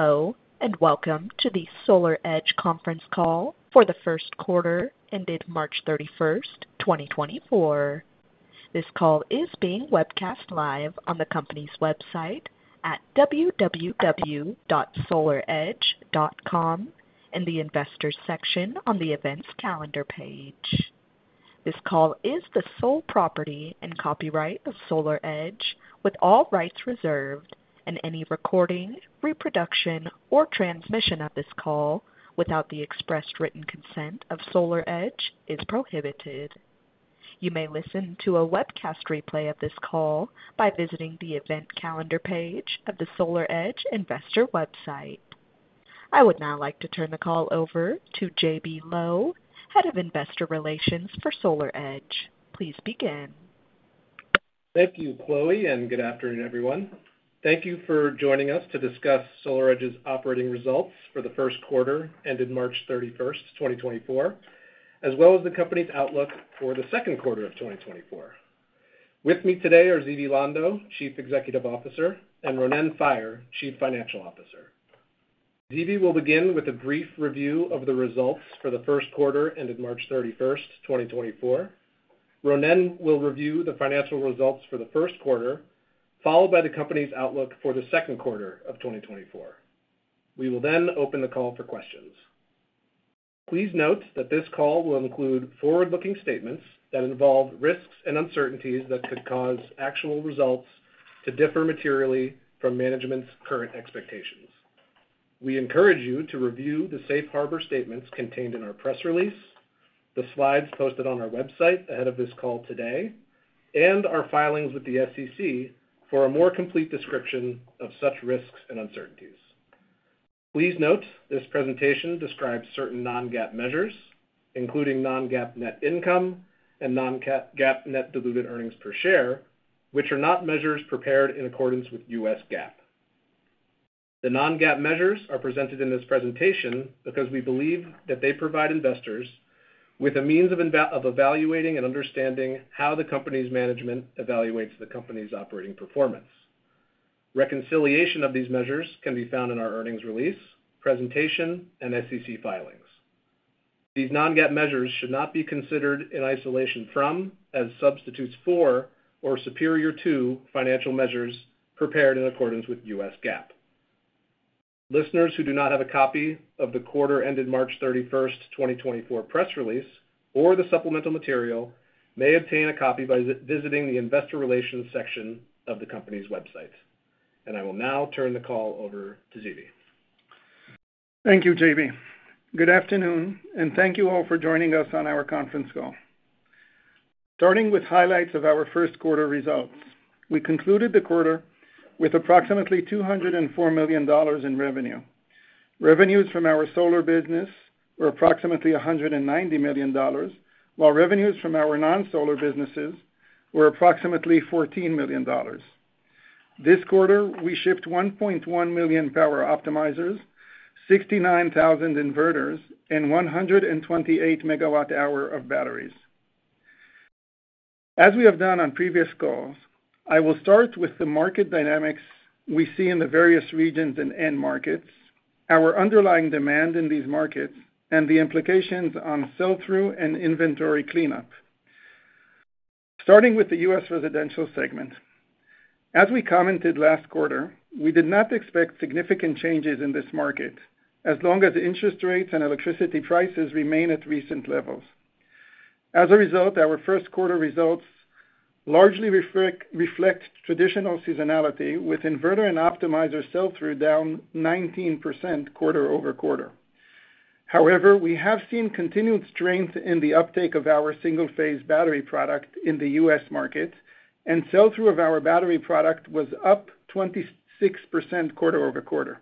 Hello and welcome to the SolarEdge conference call for the Q1 ended March 31, 2024. This call is being webcast live on the company's website at www.solaredge.com in the Investors section on the Events Calendar page. This call is the sole property and copyright of SolarEdge, with all rights reserved, and any recording, reproduction, or transmission of this call without the expressed written consent of SolarEdge is prohibited. You may listen to a webcast replay of this call by visiting the Event Calendar page of the SolarEdge Investor website. I would now like to turn the call over to J.B. Lowe, Head of Investor Relations for SolarEdge. Please begin. Thank you, Chloe, and good afternoon, everyone. Thank you for joining us to discuss SolarEdge's operating results for the Q1 ended March 31, 2024, as well as the company's outlook for the Q2 of 2024. With me today are Zvi Lando, Chief Executive Officer, and Ronen Faier, Chief Financial Officer. Zvi will begin with a brief review of the results for the Q1 ended March 31, 2024. Ronen will review the financial results for the Q1, followed by the company's outlook for the Q2 of 2024. We will then open the call for questions. Please note that this call will include forward-looking statements that involve risks and uncertainties that could cause actual results to differ materially from management's current expectations. We encourage you to review the safe harbor statements contained in our press release, the slides posted on our website ahead of this call today, and our filings with the SEC for a more complete description of such risks and uncertainties. Please note this presentation describes certain non-GAAP measures, including non-GAAP net income and non-GAAP net diluted earnings per share, which are not measures prepared in accordance with U.S. GAAP. The non-GAAP measures are presented in this presentation because we believe that they provide Investors with a means of evaluating and understanding how the company's management evaluates the company's operating performance. Reconciliation of these measures can be found in our earnings release, presentation, and SEC filings. These non-GAAP measures should not be considered in isolation from, as substitutes for, or superior to financial measures prepared in accordance with U.S. GAAP. Listeners who do not have a copy of the quarter-ended March 31, 2024, press release or the supplemental material may obtain a copy by visiting the Investor Relations section of the company's website. I will now turn the call over to Zvi. Thank you, J.B. Good afternoon, and thank you all for joining us on our conference call. Starting with highlights of our Q1 results, we concluded the quarter with approximately $204 million in revenue. Revenues from our solar business were approximately $190 million, while revenues from our non-solar businesses were approximately $14 million. This quarter, we shipped 1.1 million power optimizers, 69,000 inverters, and 128 megawatt-hours of batteries. As we have done on previous calls, I will start with the market dynamics we see in the various regions and end markets, our underlying demand in these markets, and the implications on sell-through and inventory cleanup. Starting with the U.S. residential segment. As we commented last quarter, we did not expect significant changes in this market as long as interest rates and electricity prices remain at recent levels. As a result, our Q1 results largely reflect traditional seasonality, with inverter and optimizer sell-through down 19% quarter over quarter. However, we have seen continued strength in the uptake of our single-phase battery product in the U.S. market, and sell-through of our battery product was up 26% quarter over quarter.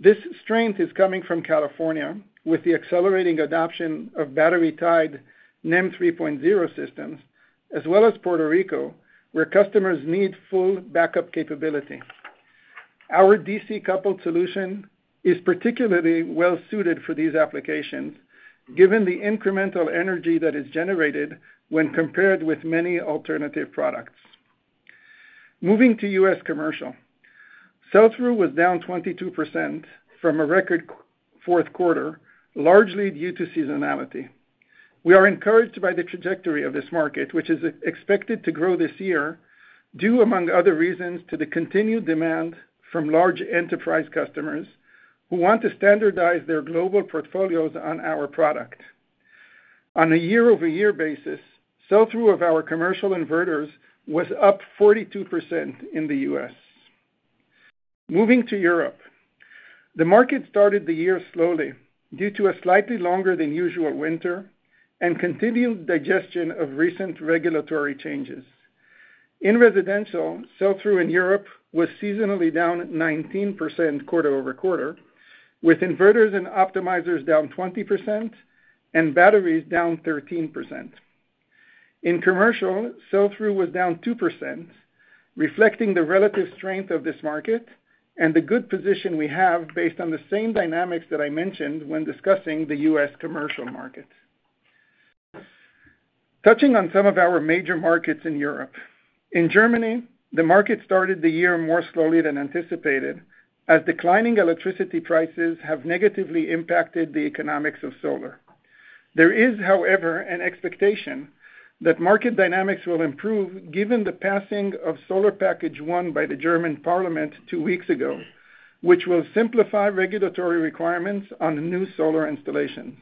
This strength is coming from California, with the accelerating adoption of battery-tied NEM 3.0 systems, as well as Puerto Rico, where customers need full backup capability. Our DC-coupled solution is particularly well-suited for these applications, given the incremental energy that is generated when compared with many alternative products. Moving to U.S. commercial, sell-through was down 22% from a record Q4, largely due to seasonality. We are encouraged by the trajectory of this market, which is expected to grow this year due, among other reasons, to the continued demand from large enterprise customers who want to standardize their global portfolios on our product. On a year-over-year basis, sell-through of our commercial inverters was up 42% in the U.S. Moving to Europe. The market started the year slowly due to a slightly longer-than-usual winter and continued digestion of recent regulatory changes. In residential, sell-through in Europe was seasonally down 19% quarter-over-quarter, with inverters and optimizers down 20% and batteries down 13%. In commercial, sell-through was down 2%, reflecting the relative strength of this market and the good position we have based on the same dynamics that I mentioned when discussing the U.S. commercial market. Touching on some of our major markets in Europe. In Germany, the market started the year more slowly than anticipated as declining electricity prices have negatively impacted the economics of solar. There is, however, an expectation that market dynamics will improve given the passing of Solar Package One by the German Parliament two weeks ago, which will simplify regulatory requirements on new solar installations.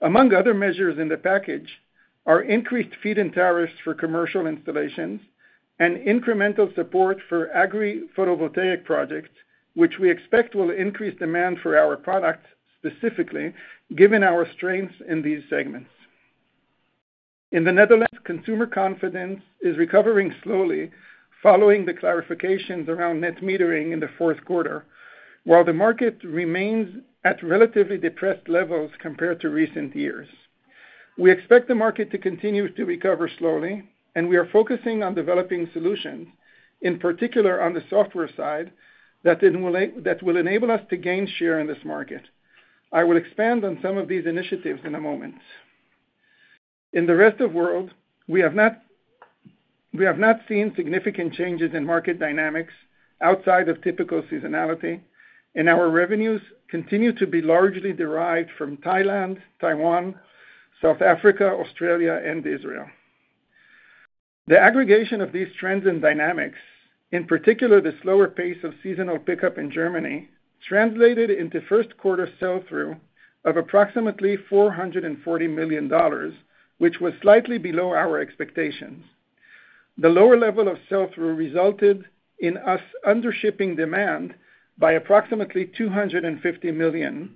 Among other measures in the package are increased feed-in tariffs for commercial installations and incremental support for agri-photovoltaic projects, which we expect will increase demand for our products specifically given our strengths in these segments. In the Netherlands, consumer confidence is recovering slowly following the clarifications around net metering in the fourth quarter, while the market remains at relatively depressed levels compared to recent years. We expect the market to continue to recover slowly, and we are focusing on developing solutions, in particular on the software side, that will enable us to gain share in this market. I will expand on some of these initiatives in a moment. In the rest of the world, we have not seen significant changes in market dynamics outside of typical seasonality, and our revenues continue to be largely derived from Thailand, Taiwan, South Africa, Australia, and Israel. The aggregation of these trends and dynamics, in particular the slower pace of seasonal pickup in Germany, translated into Q1 sell-through of approximately $440 million, which was slightly below our expectations. The lower level of sell-through resulted in us undershipping demand by approximately $250 million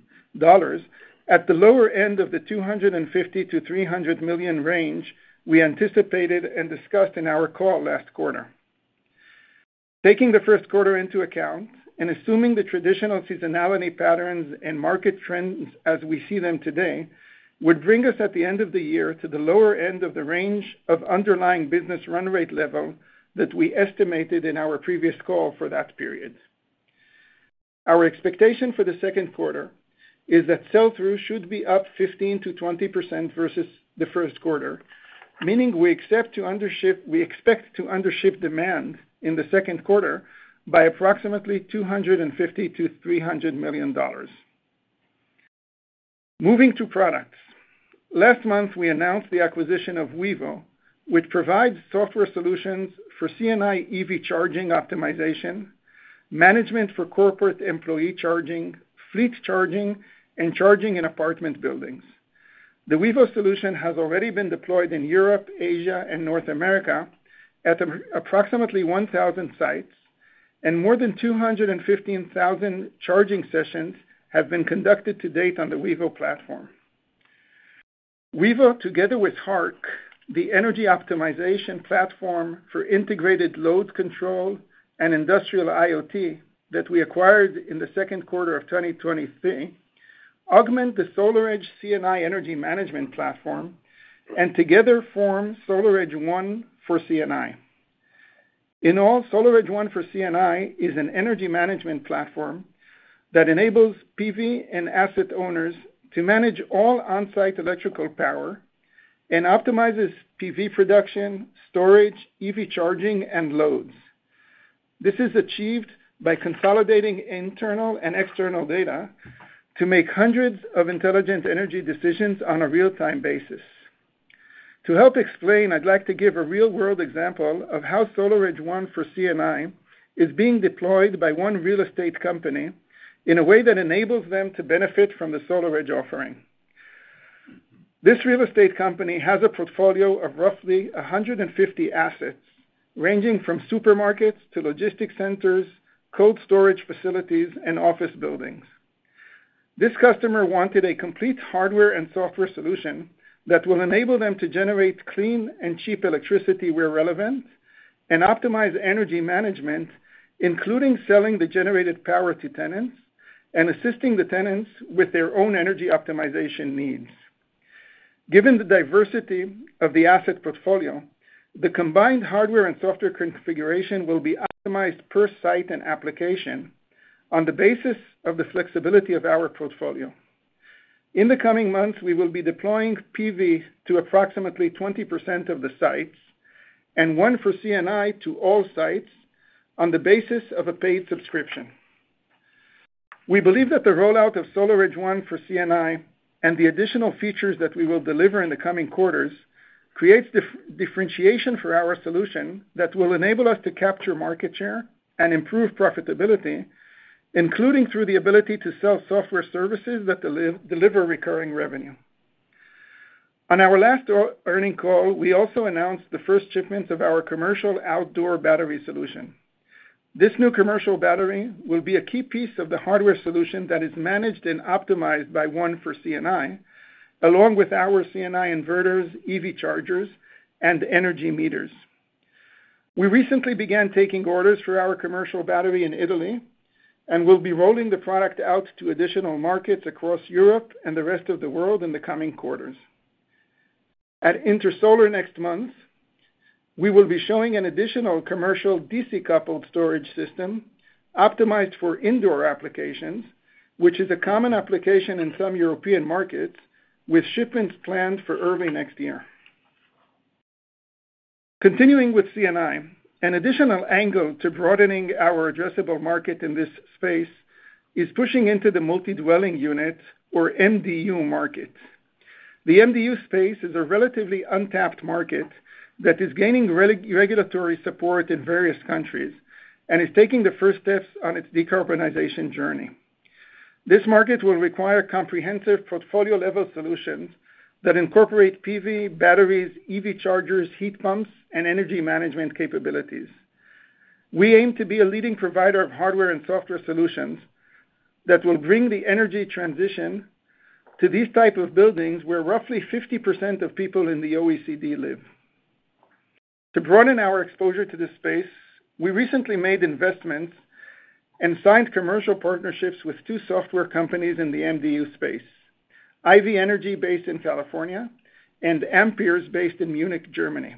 at the lower end of the $250 million-$300 million range we anticipated and discussed in our call last quarter. Taking the Q1 into account and assuming the traditional seasonality patterns and market trends as we see them today would bring us at the end of the year to the lower end of the range of underlying business run-rate level that we estimated in our previous call for that period. Our expectation for the Q2 is that sell-through should be up 15%-20% versus theQ1, meaning we expect to undership demand in the second quarter by approximately $250 million-$300 million. Moving to products. Last month, we announced the acquisition of Wevo, which provides software solutions for C&I EV charging optimization, management for corporate employee charging, fleet charging, and charging in apartment buildings. The Wevo solution has already been deployed in Europe, Asia, and North America at approximately 1,000 sites, and more than 215,000 charging sessions have been conducted to date on the Wevo platform. Wevo, together with Hark, the energy optimization platform for integrated loads control and industrial IoT that we acquired in the Q2 of 2023, augment the SolarEdge C&I energy management platform and together form SolarEdge ONE for C&I. In all, SolarEdge ONE for C&I is an energy management platform that enables PV and asset owners to manage all on-site electrical power and optimizes PV production, storage, EV charging, and loads. This is achieved by consolidating internal and external data to make hundreds of intelligent energy decisions on a real-time basis. To help explain, I'd like to give a real-world example of how SolarEdge ONE for C&I is being deployed by one real estate company in a way that enables them to benefit from the SolarEdge offering. This real estate company has a portfolio of roughly 150 assets ranging from supermarkets to logistics centers, cold storage facilities, and office buildings. This customer wanted a complete hardware and software solution that will enable them to generate clean and cheap electricity where relevant and optimize energy management, including selling the generated power to tenants and assisting the tenants with their own energy optimization needs. Given the diversity of the asset portfolio, the combined hardware and software configuration will be optimized per site and application on the basis of the flexibility of our portfolio. In the coming months, we will be deploying PV to approximately 20% of the sites and One for C&I to all sites on the basis of a paid subscription. We believe that the rollout of SolarEdge ONE for C&I and the additional features that we will deliver in the coming quarters creates differentiation for our solution that will enable us to capture market share and improve profitability, including through the ability to sell software services that deliver recurring revenue. On our last earnings call, we also announced the first shipments of our commercial outdoor battery solution. This new commercial battery will be a key piece of the hardware solution that is managed and optimized by One for C&I, along with our C&I inverters, EV chargers, and energy meters. We recently began taking orders for our commercial battery in Italy and will be rolling the product out to additional markets across Europe and the rest of the world in the coming quarters. At Intersolar next month, we will be showing an additional commercial DC-coupled storage system optimized for indoor applications, which is a common application in some European markets, with shipments planned for Q1 next year. Continuing with C&I, an additional angle to broadening our addressable market in this space is pushing into the multi-dwelling unit, or MDU, market. The MDU space is a relatively untapped market that is gaining regulatory support in various countries and is taking the first steps on its decarbonization journey. This market will require comprehensive portfolio-level solutions that incorporate PV, batteries, EV chargers, heat pumps, and energy management capabilities. We aim to be a leading provider of hardware and software solutions that will bring the energy transition to these types of buildings where roughly 50% of people in the OECD live. To broaden our exposure to this space, we recently made investments and signed commercial partnerships with two software companies in the MDU space: Ivy Energy based in California and Ampeers based in Munich, Germany.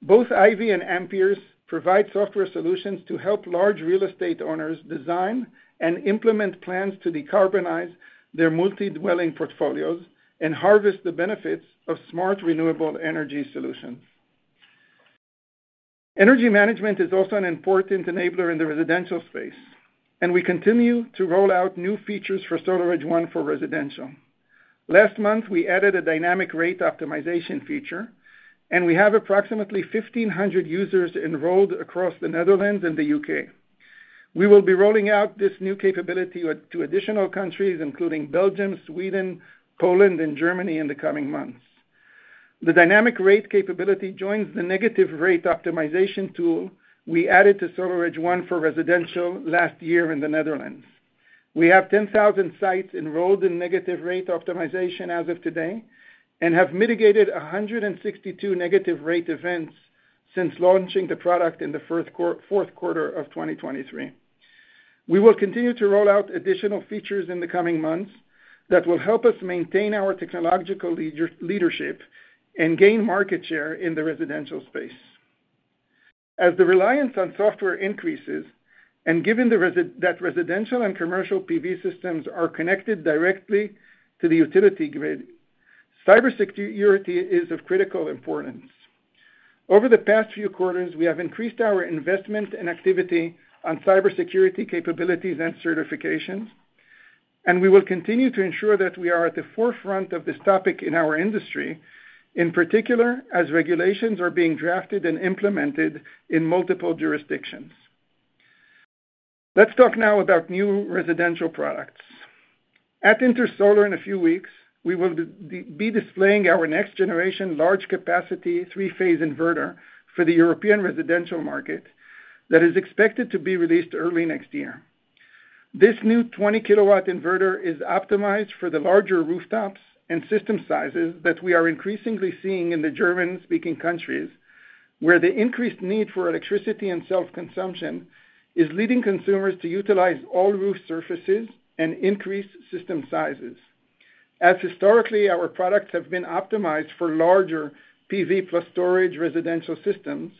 Both Ivy and Ampeers provide software solutions to help large real estate owners design and implement plans to decarbonize their multi-dwelling portfolios and harvest the benefits of smart renewable energy solutions. Energy management is also an important enabler in the residential space, and we continue to roll out new features for SolarEdge One for residential. Last month, we added a dynamic rate optimization feature, and we have approximately 1,500 users enrolled across the Netherlands and the UK. We will be rolling out this new capability to additional countries, including Belgium, Sweden, Poland, and Germany, in the coming months. The dynamic rate capability joins the negative rate optimization tool we added to SolarEdge One for residential last year in the Netherlands. We have 10,000 sites enrolled in negative rate optimization as of today and have mitigated 162 negative rate events since launching the product in the Q4 of 2023. We will continue to roll out additional features in the coming months that will help us maintain our technological leadership and gain market share in the residential space. As the reliance on software increases and given that residential and commercial PV systems are connected directly to the utility grid, cybersecurity is of critical importance. Over the past few quarters, we have increased our investment and activity on cybersecurity capabilities and certifications, and we will continue to ensure that we are at the forefront of this topic in our industry, in particular as regulations are being drafted and implemented in multiple jurisdictions. Let's talk now about new residential products. At Intersolar in a few weeks, we will be displaying our next-generation large-capacity three-phase inverter for the European residential market that is expected to be released early next year. This new 20-kilowatt inverter is optimized for the larger rooftops and system sizes that we are increasingly seeing in the German-speaking countries, where the increased need for electricity and self-consumption is leading consumers to utilize all roof surfaces and increase system sizes. As historically, our products have been optimized for larger PV-plus storage residential systems.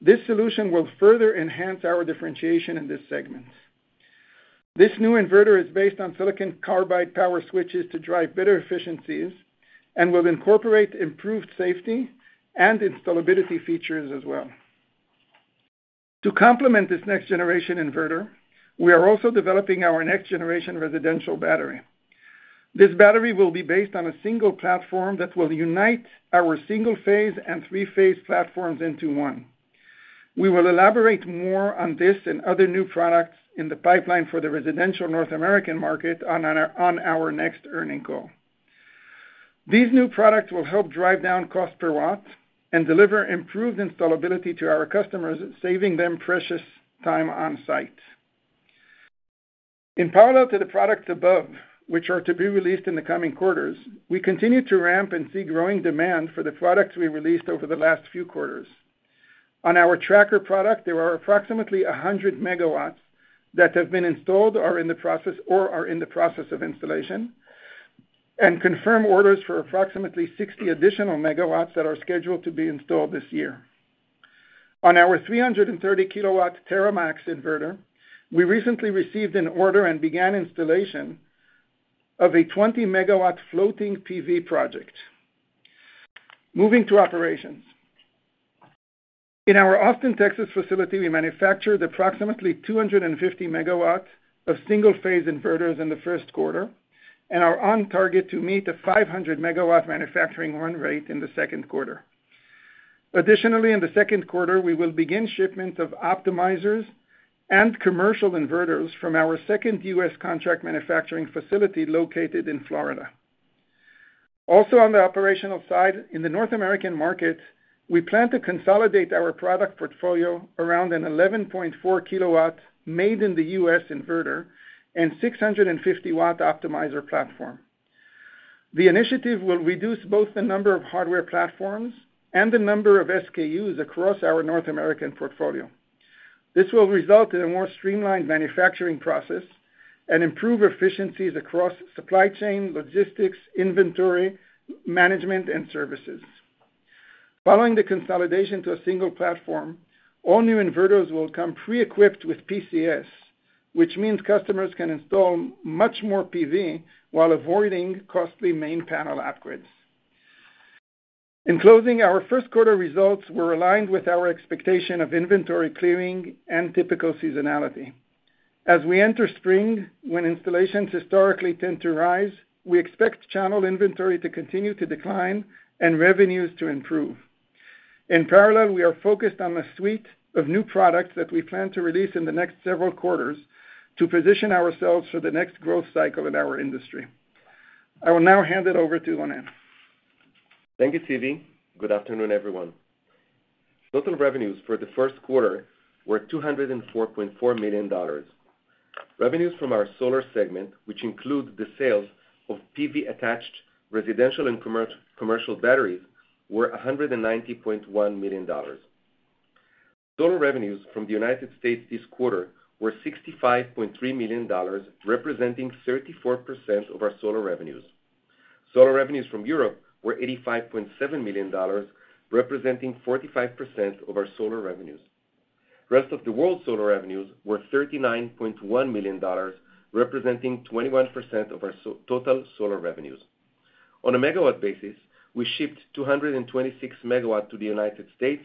This solution will further enhance our differentiation in this segment. This new inverter is based on silicon carbide power switches to drive better efficiencies and will incorporate improved safety and installability features as well. To complement this next-generation inverter, we are also developing our next-generation residential battery. This battery will be based on a single platform that will unite our single-phase and three-phase platforms into one. We will elaborate more on this and other new products in the pipeline for the residential North American market on our next earnings call. These new products will help drive down cost per watt and deliver improved installability to our customers, saving them precious time on site. In parallel to the products above, which are to be released in the coming quarters, we continue to ramp and see growing demand for the products we released over the last few quarters. On our tracker product, there are approximately 100 megawatts that have been installed or are in the process of installation and confirm orders for approximately 60 additional megawatts that are scheduled to be installed this year. On our 330-kilowatt TerraMax inverter, we recently received an order and began installation of a 20-megawatt floating PV project. Moving to operations. In our Austin, Texas facility, we manufacture approximately 250 megawatts of single-phase inverters in the Q1 and are on target to meet a 500-megawatt manufacturing run rate in the Q2. Additionally, in the Q2, we will begin shipments of optimizers and commercial inverters from our second U.S. contract manufacturing facility located in Florida. Also, on the operational side, in the North American market, we plan to consolidate our product portfolio around an 11.4-kilowatt made-in-the-U.S. inverter and 650-watt optimizer platform. The initiative will reduce both the number of hardware platforms and the number of SKUs across our North American portfolio. This will result in a more streamlined manufacturing process and improve efficiencies across supply chain, logistics, inventory, management, and services. Following the consolidation to a single platform, all new inverters will come pre-equipped with PCS, which means customers can install much more PV while avoiding costly main panel upgrades. In closing, our Q1 results were aligned with our expectation of inventory clearing and typical seasonality. As we enter spring, when installations historically tend to rise, we expect channel inventory to continue to decline and revenues to improve. In parallel, we are focused on a suite of new products that we plan to release in the next several quarters to position ourselves for the next growth cycle in our industry. I will now hand it over to Ronen. Thank you, Zvi. Good afternoon, everyone. Total revenues for the Q1 were $204.4 million. Revenues from our solar segment, which includes the sales of PV-attached residential and commercial batteries, were $190.1 million. Total revenues from the United States this quarter were $65.3 million, representing 34% of our solar revenues. Solar revenues from Europe were $85.7 million, representing 45% of our solar revenues. Rest of the world solar revenues were $39.1 million, representing 21% of our total solar revenues. On a megawatt basis, we shipped 226 megawatts to the United States,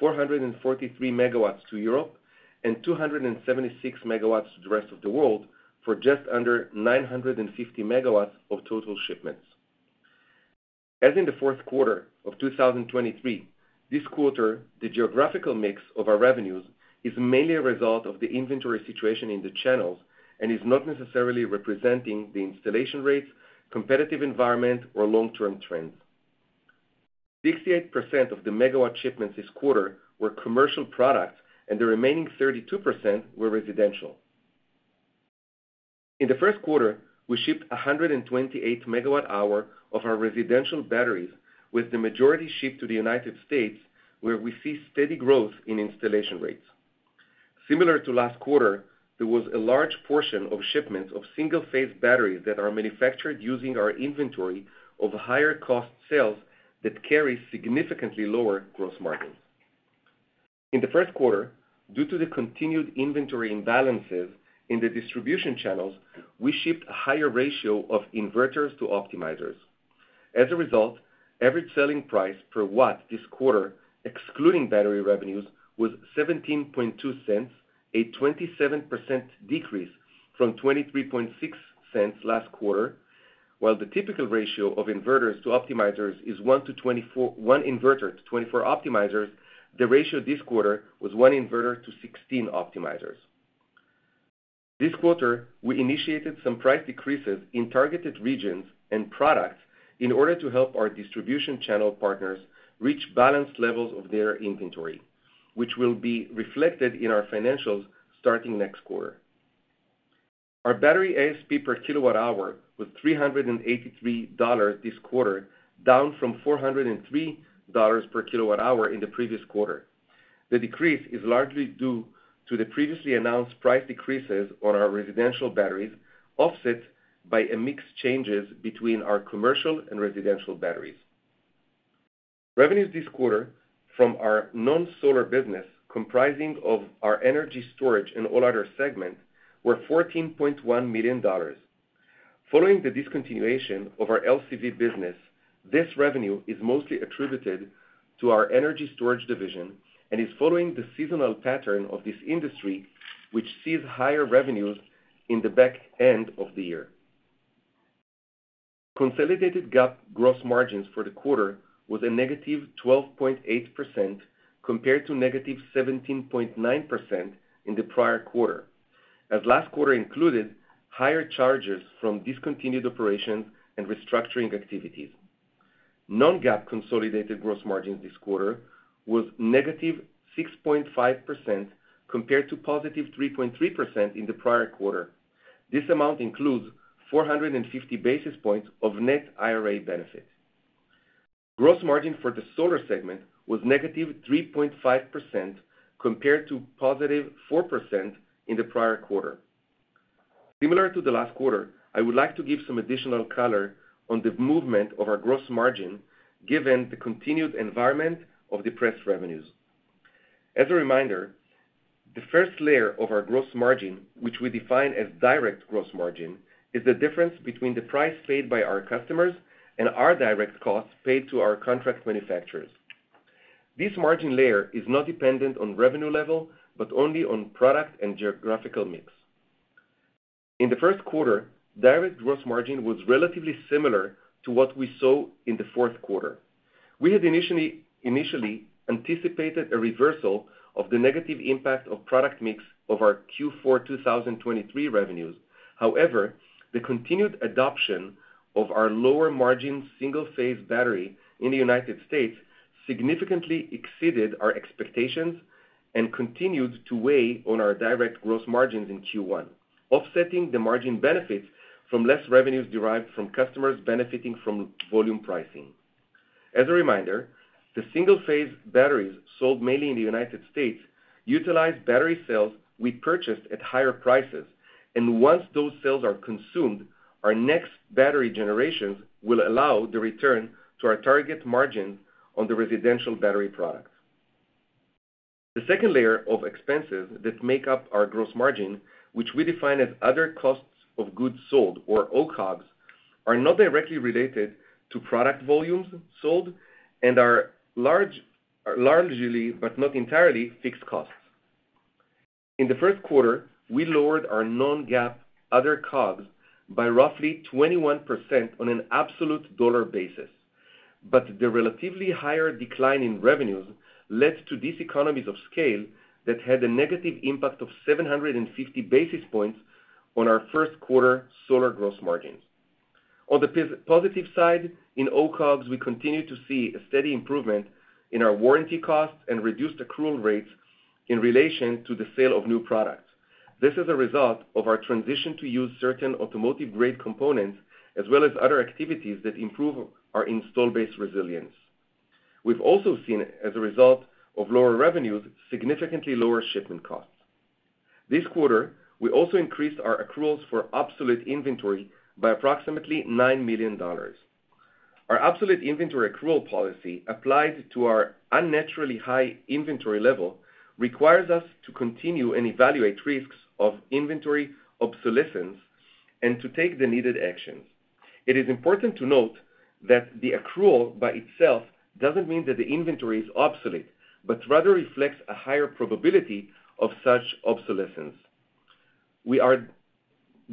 443 megawatts to Europe, and 276 megawatts to the rest of the world for just under 950 megawatts of total shipments. As in the Q4 of 2023, this quarter, the geographical mix of our revenues is mainly a result of the inventory situation in the channels and is not necessarily representing the installation rates, competitive environment, or long-term trends. 68% of the megawatt shipments this quarter were commercial products, and the remaining 32% were residential. In the Q1, we shipped 128 megawatt-hours of our residential batteries, with the majority shipped to the United States, where we see steady growth in installation rates. Similar to last quarter, there was a large portion of shipments of single-phase batteries that are manufactured using our inventory of higher-cost cells that carry significantly lower gross margins. In the Q1, due to the continued inventory imbalances in the distribution channels, we shipped a higher ratio of inverters to optimizers. As a result, average selling price per watt this quarter, excluding battery revenues, was $0.172, a 27% decrease from $0.236 last quarter. While the typical ratio of inverters to optimizers is one inverter to 24 optimizers, the ratio this quarter was one inverter to 16 optimizers. This quarter, we initiated some price decreases in targeted regions and products in order to help our distribution channel partners reach balanced levels of their inventory, which will be reflected in our financials starting next quarter. Our battery ASP per kilowatt-hour was $383 this quarter, down from $403 per kilowatt-hour in the previous quarter. The decrease is largely due to the previously announced price decreases on our residential batteries, offset by a mixed changes between our commercial and residential batteries. Revenues this quarter from our non-solar business, comprising our energy storage and all other segments, were $14.1 million. Following the discontinuation of our LCV business, this revenue is mostly attributed to our energy storage division and is following the seasonal pattern of this industry, which sees higher revenues in the back end of the year. Consolidated GAAP gross margins for the quarter were -12.8% compared to -17.9% in the prior quarter, as last quarter included higher charges from discontinued operations and restructuring activities. Non-GAAP consolidated gross margins this quarter were -6.5% compared to +3.3% in the prior quarter. This amount includes 450 basis points of net IRA benefit. Gross margin for the solar segment was -3.5% compared to +4% in the prior quarter. Similar to the last quarter, I would like to give some additional color on the movement of our gross margin given the continued environment of depressed revenues. As a reminder, the first layer of our gross margin, which we define as direct gross margin, is the difference between the price paid by our customers and our direct costs paid to our contract manufacturers. This margin layer is not dependent on revenue level but only on product and geographical mix. In the Q1, direct gross margin was relatively similar to what we saw in the Q4. We had initially anticipated a reversal of the negative impact of product mix of our Q4 2023 revenues. However, the continued adoption of our lower-margin single-phase battery in the United States significantly exceeded our expectations and continued to weigh on our direct gross margins in Q1, offsetting the margin benefits from less revenues derived from customers benefiting from volume pricing. As a reminder, the single-phase batteries sold mainly in the United States utilize battery cells we purchased at higher prices. Once those cells are consumed, our next battery generations will allow the return to our target margin on the residential battery product. The second layer of expenses that make up our gross margin, which we define as other costs of goods sold or OCOGs, are not directly related to product volumes sold and are largely but not entirely fixed costs. In the Q1, we lowered our non-GAAP other COGS by roughly 21% on an absolute dollar basis. But the relatively higher decline in revenues led to these economies of scale that had a negative impact of 750 basis points on our Q1 solar gross margins. On the positive side, in OCOGs, we continue to see a steady improvement in our warranty costs and reduced accrual rates in relation to the sale of new products. This is a result of our transition to use certain automotive-grade components as well as other activities that improve our install-based resilience. We've also seen, as a result of lower revenues, significantly lower shipment costs. This quarter, we also increased our accruals for obsolete inventory by approximately $9 million. Our obsolete inventory accrual policy, applied to our unnaturally high inventory level, requires us to continue and evaluate risks of inventory obsolescence and to take the needed actions. It is important to note that the accrual by itself doesn't mean that the inventory is obsolete but rather reflects a higher probability of such obsolescence. We are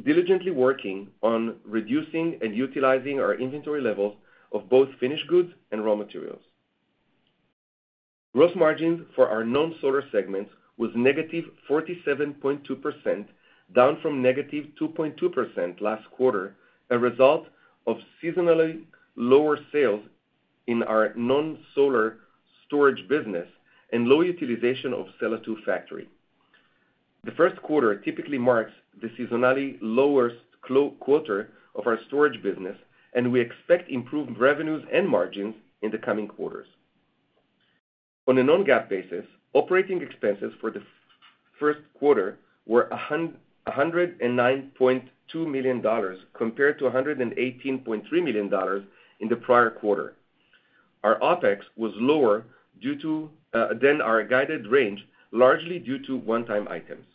diligently working on reducing and utilizing our inventory levels of both finished goods and raw materials. Gross margins for our non-solar segments were negative 47.2%, down from negative 2.2% last quarter, a result of seasonally lower sales in our non-solar storage business and low utilization of Sella II factory. The Q1 typically marks the seasonally lowest quarter of our storage business, and we expect improved revenues and margins in the coming quarters. On a non-GAAP basis, operating expenses for the Q1 were $109.2 million compared to $118.3 million in the prior quarter. Our OPEX was lower than our guided range, largely due to one-time items.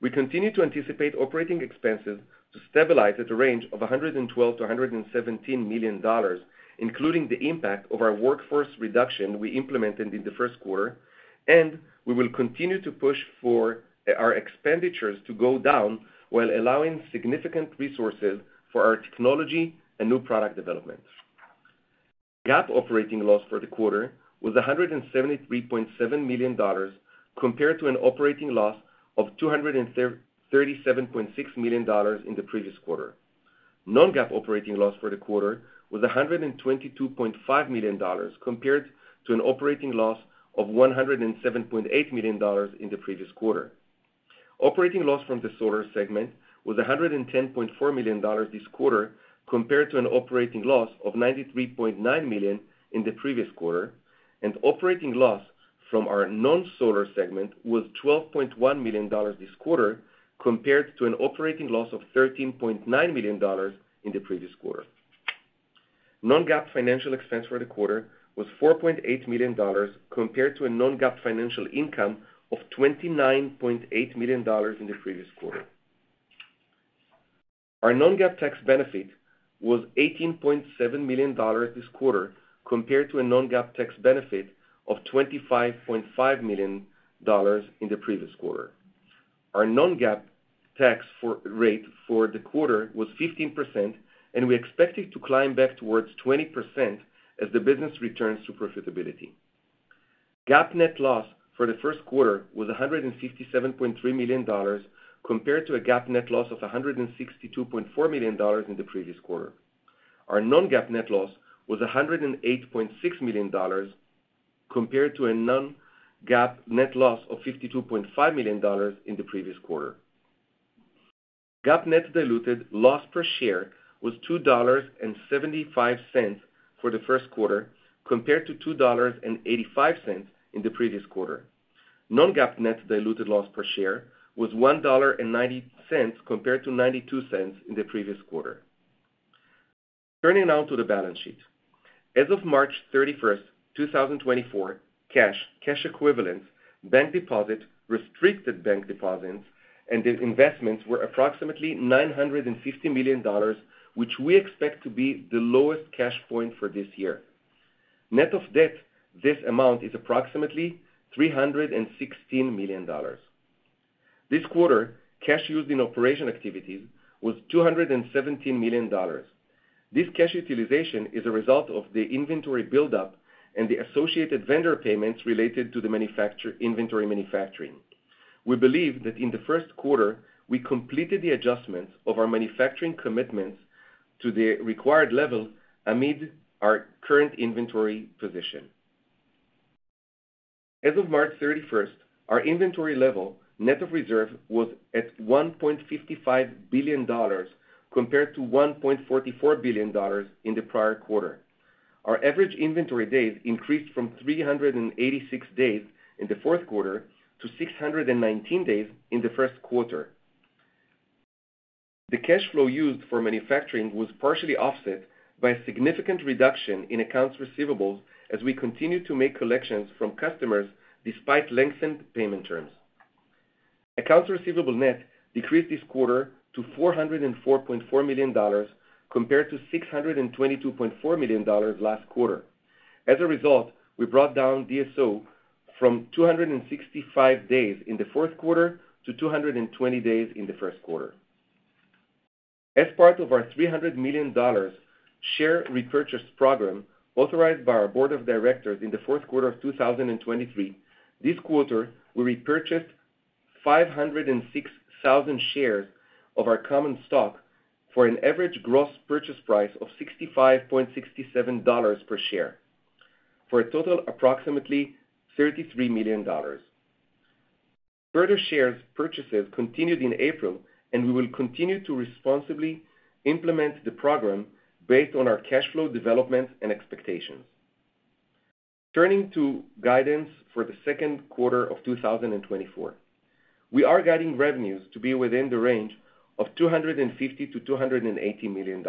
We continue to anticipate operating expenses to stabilize at a range of $112-$117 million, including the impact of our workforce reduction we implemented in the Q1. We will continue to push for our expenditures to go down while allowing significant resources for our technology and new product development. GAAP operating loss for the quarter was $173.7 million compared to an operating loss of $237.6 million in the previous quarter. Non-GAAP operating loss for the quarter was $122.5 million compared to an operating loss of $107.8 million in the previous quarter. Operating loss from the solar segment was $110.4 million this quarter compared to an operating loss of $93.9 million in the previous quarter. Operating loss from our non-solar segment was $12.1 million this quarter compared to an operating loss of $13.9 million in the previous quarter. Non-GAAP financial expense for the quarter was $4.8 million compared to a non-GAAP financial income of $29.8 million in the previous quarter. Our non-GAAP tax benefit was $18.7 million this quarter compared to a non-GAAP tax benefit of $25.5 million in the previous quarter. Our Non-GAAP tax rate for the quarter was 15%, and we expect it to climb back towards 20% as the business returns to profitability. GAAP net loss for the Q1 was $157.3 million compared to a GAAP net loss of $162.4 million in the previous quarter. Our Non-GAAP net loss was $108.6 million compared to a Non-GAAP net loss of $52.5 million in the previous quarter. GAAP net diluted loss per share was $2.75 for the first quarter compared to $2.85 in the previous quarter. Non-GAAP net diluted loss per share was $1.90 compared to $0.92 in the previous quarter. Turning now to the balance sheet. As of March 31st, 2024, cash, cash equivalents, bank deposit, restricted bank deposits, and investments were approximately $950 million, which we expect to be the lowest cash point for this year. Net of debt, this amount is approximately $316 million. This quarter, cash used in operation activities was $217 million. This cash utilization is a result of the inventory buildup and the associated vendor payments related to the inventory manufacturing. We believe that in the Q1, we completed the adjustments of our manufacturing commitments to the required level amid our current inventory position. As of March 31st, our inventory level, net of reserve, was at $1.55 billion compared to $1.44 billion in the prior quarter. Our average inventory days increased from 386 days in the Q4 to 619 days in the Q1. The cash flow used for manufacturing was partially offset by a significant reduction in accounts receivables as we continued to make collections from customers despite lengthened payment terms. Accounts receivable net decreased this quarter to $404.4 million compared to $622.4 million last quarter. As a result, we brought down DSO from 265 days in the Q4 to 220 days in the Q1. As part of our $300 million share repurchase program authorized by our board of directors in the Q4 of 2023, this quarter, we repurchased 506,000 shares of our common stock for an average gross purchase price of $65.67 per share for a total of approximately $33 million. Further shares purchases continued in April, and we will continue to responsibly implement the program based on our cash flow developments and expectations. Turning to guidance for the Q2 of 2024. We are guiding revenues to be within the range of $250-$280 million.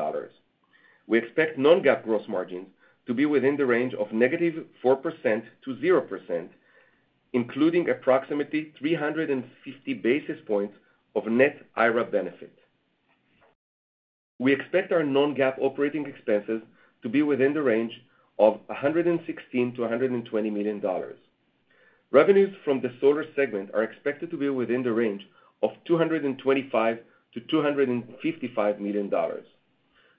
We expect non-GAAP gross margins to be within the range of -4% to 0%, including approximately 350 basis points of net IRA benefit. We expect our non-GAAP operating expenses to be within the range of $116-$120 million. Revenues from the solar segment are expected to be within the range of $225-$255 million.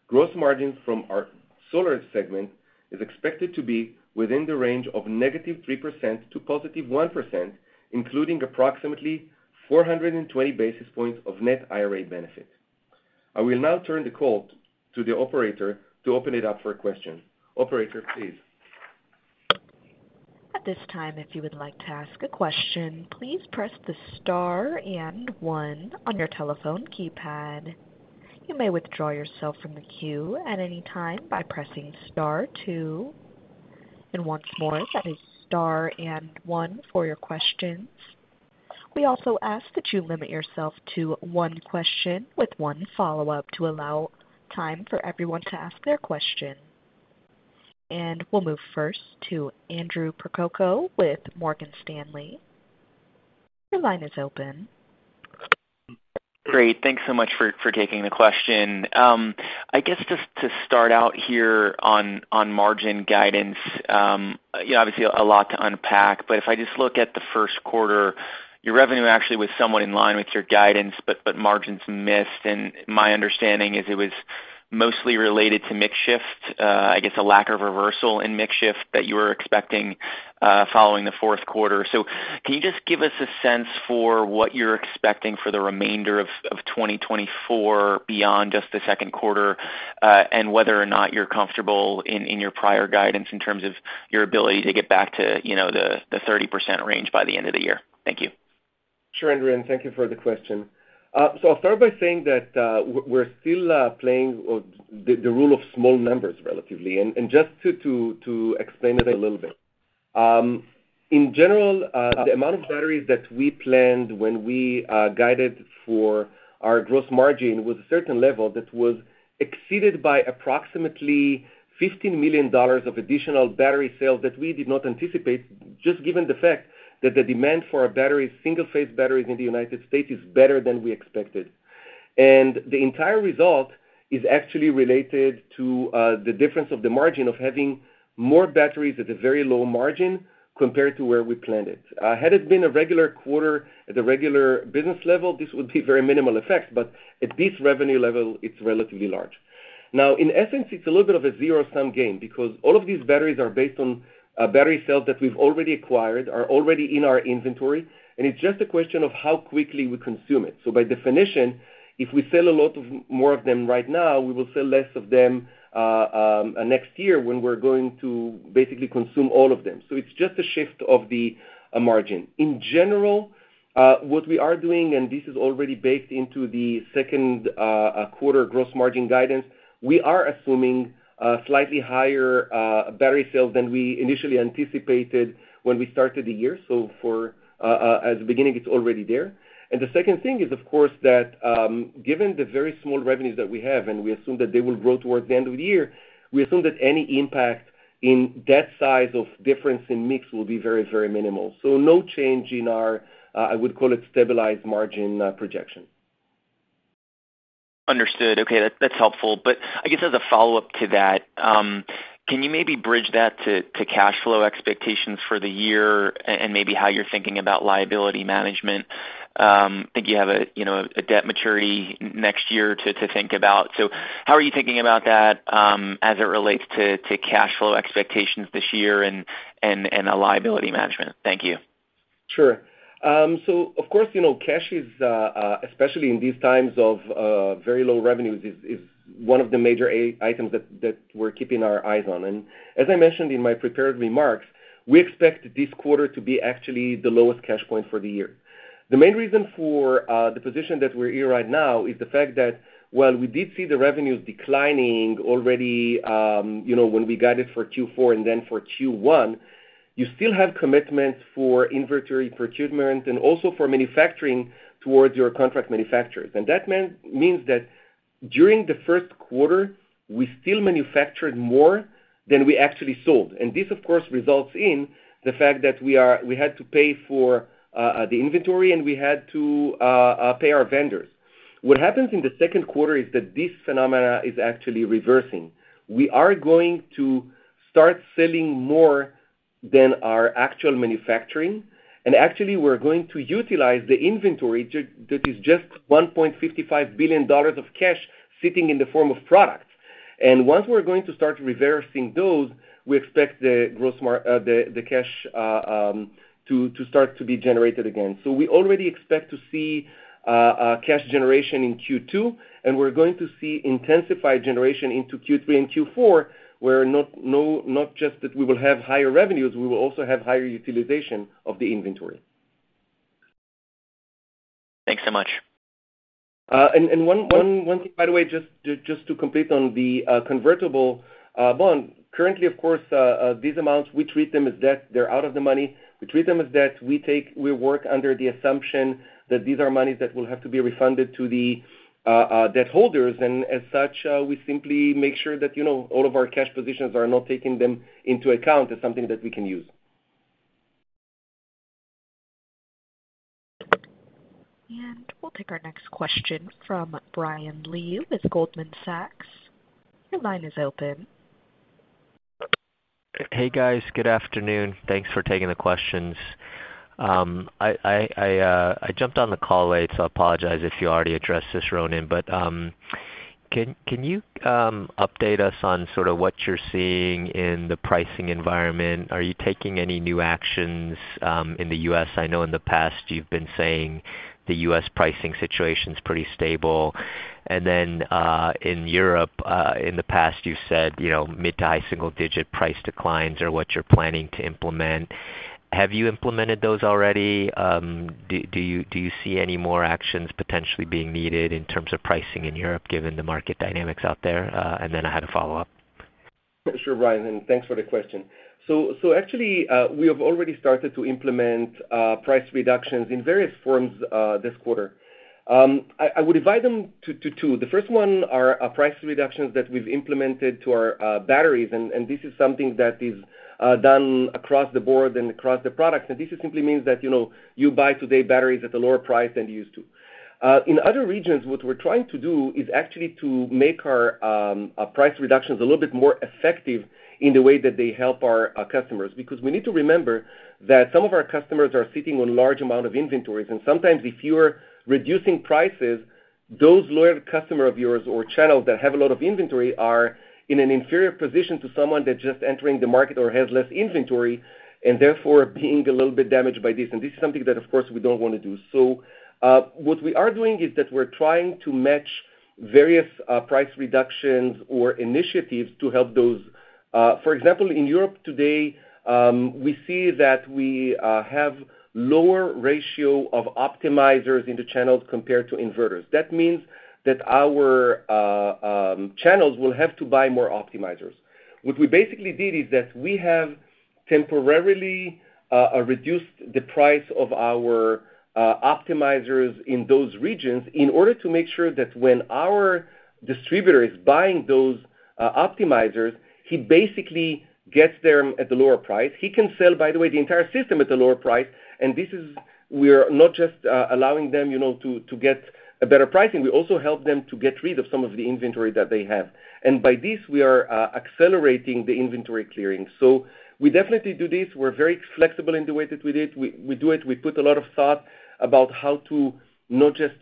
Gross margins from our solar segment are expected to be within the range of negative 3% to positive 1%, including approximately 420 basis points of net IRA benefit. I will now turn the call to the operator to open it up for a question. Operator, please. At this time, if you would like to ask a question, please press the star and one on your telephone keypad. You may withdraw yourself from the queue at any time by pressing star two. And once more, that is star and one for your questions. We also ask that you limit yourself to one question with one follow-up to allow time for everyone to ask their question. And we'll move first to Andrew Percoco with Morgan Stanley. Your line is open. Great. Thanks so much for taking the question. I guess just to start out here on margin guidance, obviously, a lot to unpack. But if I just look at the Q1, your revenue actually was somewhat in line with your guidance, but margins missed. And my understanding is it was mostly related to mix shift, I guess, a lack of reversal in mix shift that you were expecting following theQ4. So can you just give us a sense for what you're expecting for the remainder of 2024 beyond just the Q2 and whether or not you're comfortable in your prior guidance in terms of your ability to get back to the 30% range by the end of the year? Thank you. Sure, Andrew, and thank you for the question. I'll start by saying that we're still playing the rule of small numbers relatively. Just to explain it a little bit, in general, the amount of batteries that we planned when we guided for our gross margin was a certain level that was exceeded by approximately $15 million of additional battery sales that we did not anticipate, just given the fact that the demand for single-phase batteries in the United States is better than we expected. The entire result is actually related to the difference of the margin of having more batteries at a very low margin compared to where we planned it. Had it been a regular quarter at a regular business level, this would be very minimal effects. At this revenue level, it's relatively large. Now, in essence, it's a little bit of a zero-sum game because all of these batteries are based on battery cells that we've already acquired, are already in our inventory. It's just a question of how quickly we consume it. By definition, if we sell a lot more of them right now, we will sell less of them next year when we're going to basically consume all of them. It's just a shift of the margin. In general, what we are doing - and this is already baked into the Q2 gross margin guidance - we are assuming slightly higher battery sales than we initially anticipated when we started the year. At the beginning, it's already there. The second thing is, of course, that given the very small revenues that we have and we assume that they will grow towards the end of the year, we assume that any impact in that size of difference in mix will be very, very minimal. So no change in our, I would call it, stabilized margin projection. Understood. Okay. That's helpful. But I guess as a follow-up to that, can you maybe bridge that to cash flow expectations for the year and maybe how you're thinking about liability management? I think you have a debt maturity next year to think about. So how are you thinking about that as it relates to cash flow expectations this year and liability management? Thank you. Sure. So of course, cash, especially in these times of very low revenues, is one of the major items that we're keeping our eyes on. As I mentioned in my prepared remarks, we expect this quarter to be actually the lowest cash point for the year. The main reason for the position that we're in right now is the fact that, while we did see the revenues declining already when we guided for Q4 and then for Q1, you still have commitments for inventory procurement and also for manufacturing towards your contract manufacturers. That means that during the Q1, we still manufactured more than we actually sold. This, of course, results in the fact that we had to pay for the inventory, and we had to pay our vendors. What happens in the Q2 that this phenomenon is actually reversing. We are going to start selling more than our actual manufacturing. And actually, we're going to utilize the inventory that is just $1.55 billion of cash sitting in the form of products. And once we're going to start reversing those, we expect the cash to start to be generated again. So we already expect to see cash generation in Q2. And we're going to see intensified generation into Q3 and Q4, where not just that we will have higher revenues, we will also have higher utilization of the inventory. Thanks so much. And one thing, by the way, just to complete on the convertible bond. Currently, of course, these amounts, we treat them as debt. They're out of the money. We treat them as debt. We work under the assumption that these are monies that will have to be refunded to the debt holders. And as such, we simply make sure that all of our cash positions are not taking them into account as something that we can use. And we'll take our next question from Brian Lee with Goldman Sachs. Your line is open. Hey, guys. Good afternoon. Thanks for taking the questions. I jumped on the call late, so I apologize if you already addressed this, Ronen. But can you update us on sort of what you're seeing in the pricing environment? Are you taking any new actions in the US? I know in the past, you've been saying the US pricing situation's pretty stable. And then in Europe, in the past, you've said mid to high single-digit price declines are what you're planning to implement. Have you implemented those already? Do you see any more actions potentially being needed in terms of pricing in Europe given the market dynamics out there? And then I had a follow-up. Sure, Brian. And thanks for the question. So actually, we have already started to implement price reductions in various forms this quarter. I would divide them to two. The first one are price reductions that we've implemented to our batteries. And this is something that is done across the board and across the products. And this simply means that you buy today batteries at a lower price than you used to. In other regions, what we're trying to do is actually to make our price reductions a little bit more effective in the way that they help our customers because we need to remember that some of our customers are sitting on large amounts of inventories. And sometimes, if you're reducing prices, those loyal customers of yours or channels that have a lot of inventory are in an inferior position to someone that's just entering the market or has less inventory and therefore being a little bit damaged by this. And this is something that, of course, we don't want to do. So what we are doing is that we're trying to match various price reductions or initiatives to help those. For example, in Europe today, we see that we have a lower ratio of optimizers in the channels compared to inverters. That means that our channels will have to buy more optimizers. What we basically did is that we have temporarily reduced the price of our optimizers in those regions in order to make sure that when our distributor is buying those optimizers, he basically gets them at the lower price. He can sell, by the way, the entire system at the lower price. And we are not just allowing them to get a better pricing. We also help them to get rid of some of the inventory that they have. And by this, we are accelerating the inventory clearing. So we definitely do this. We're very flexible in the way that we did. We do it. We put a lot of thought about how to not just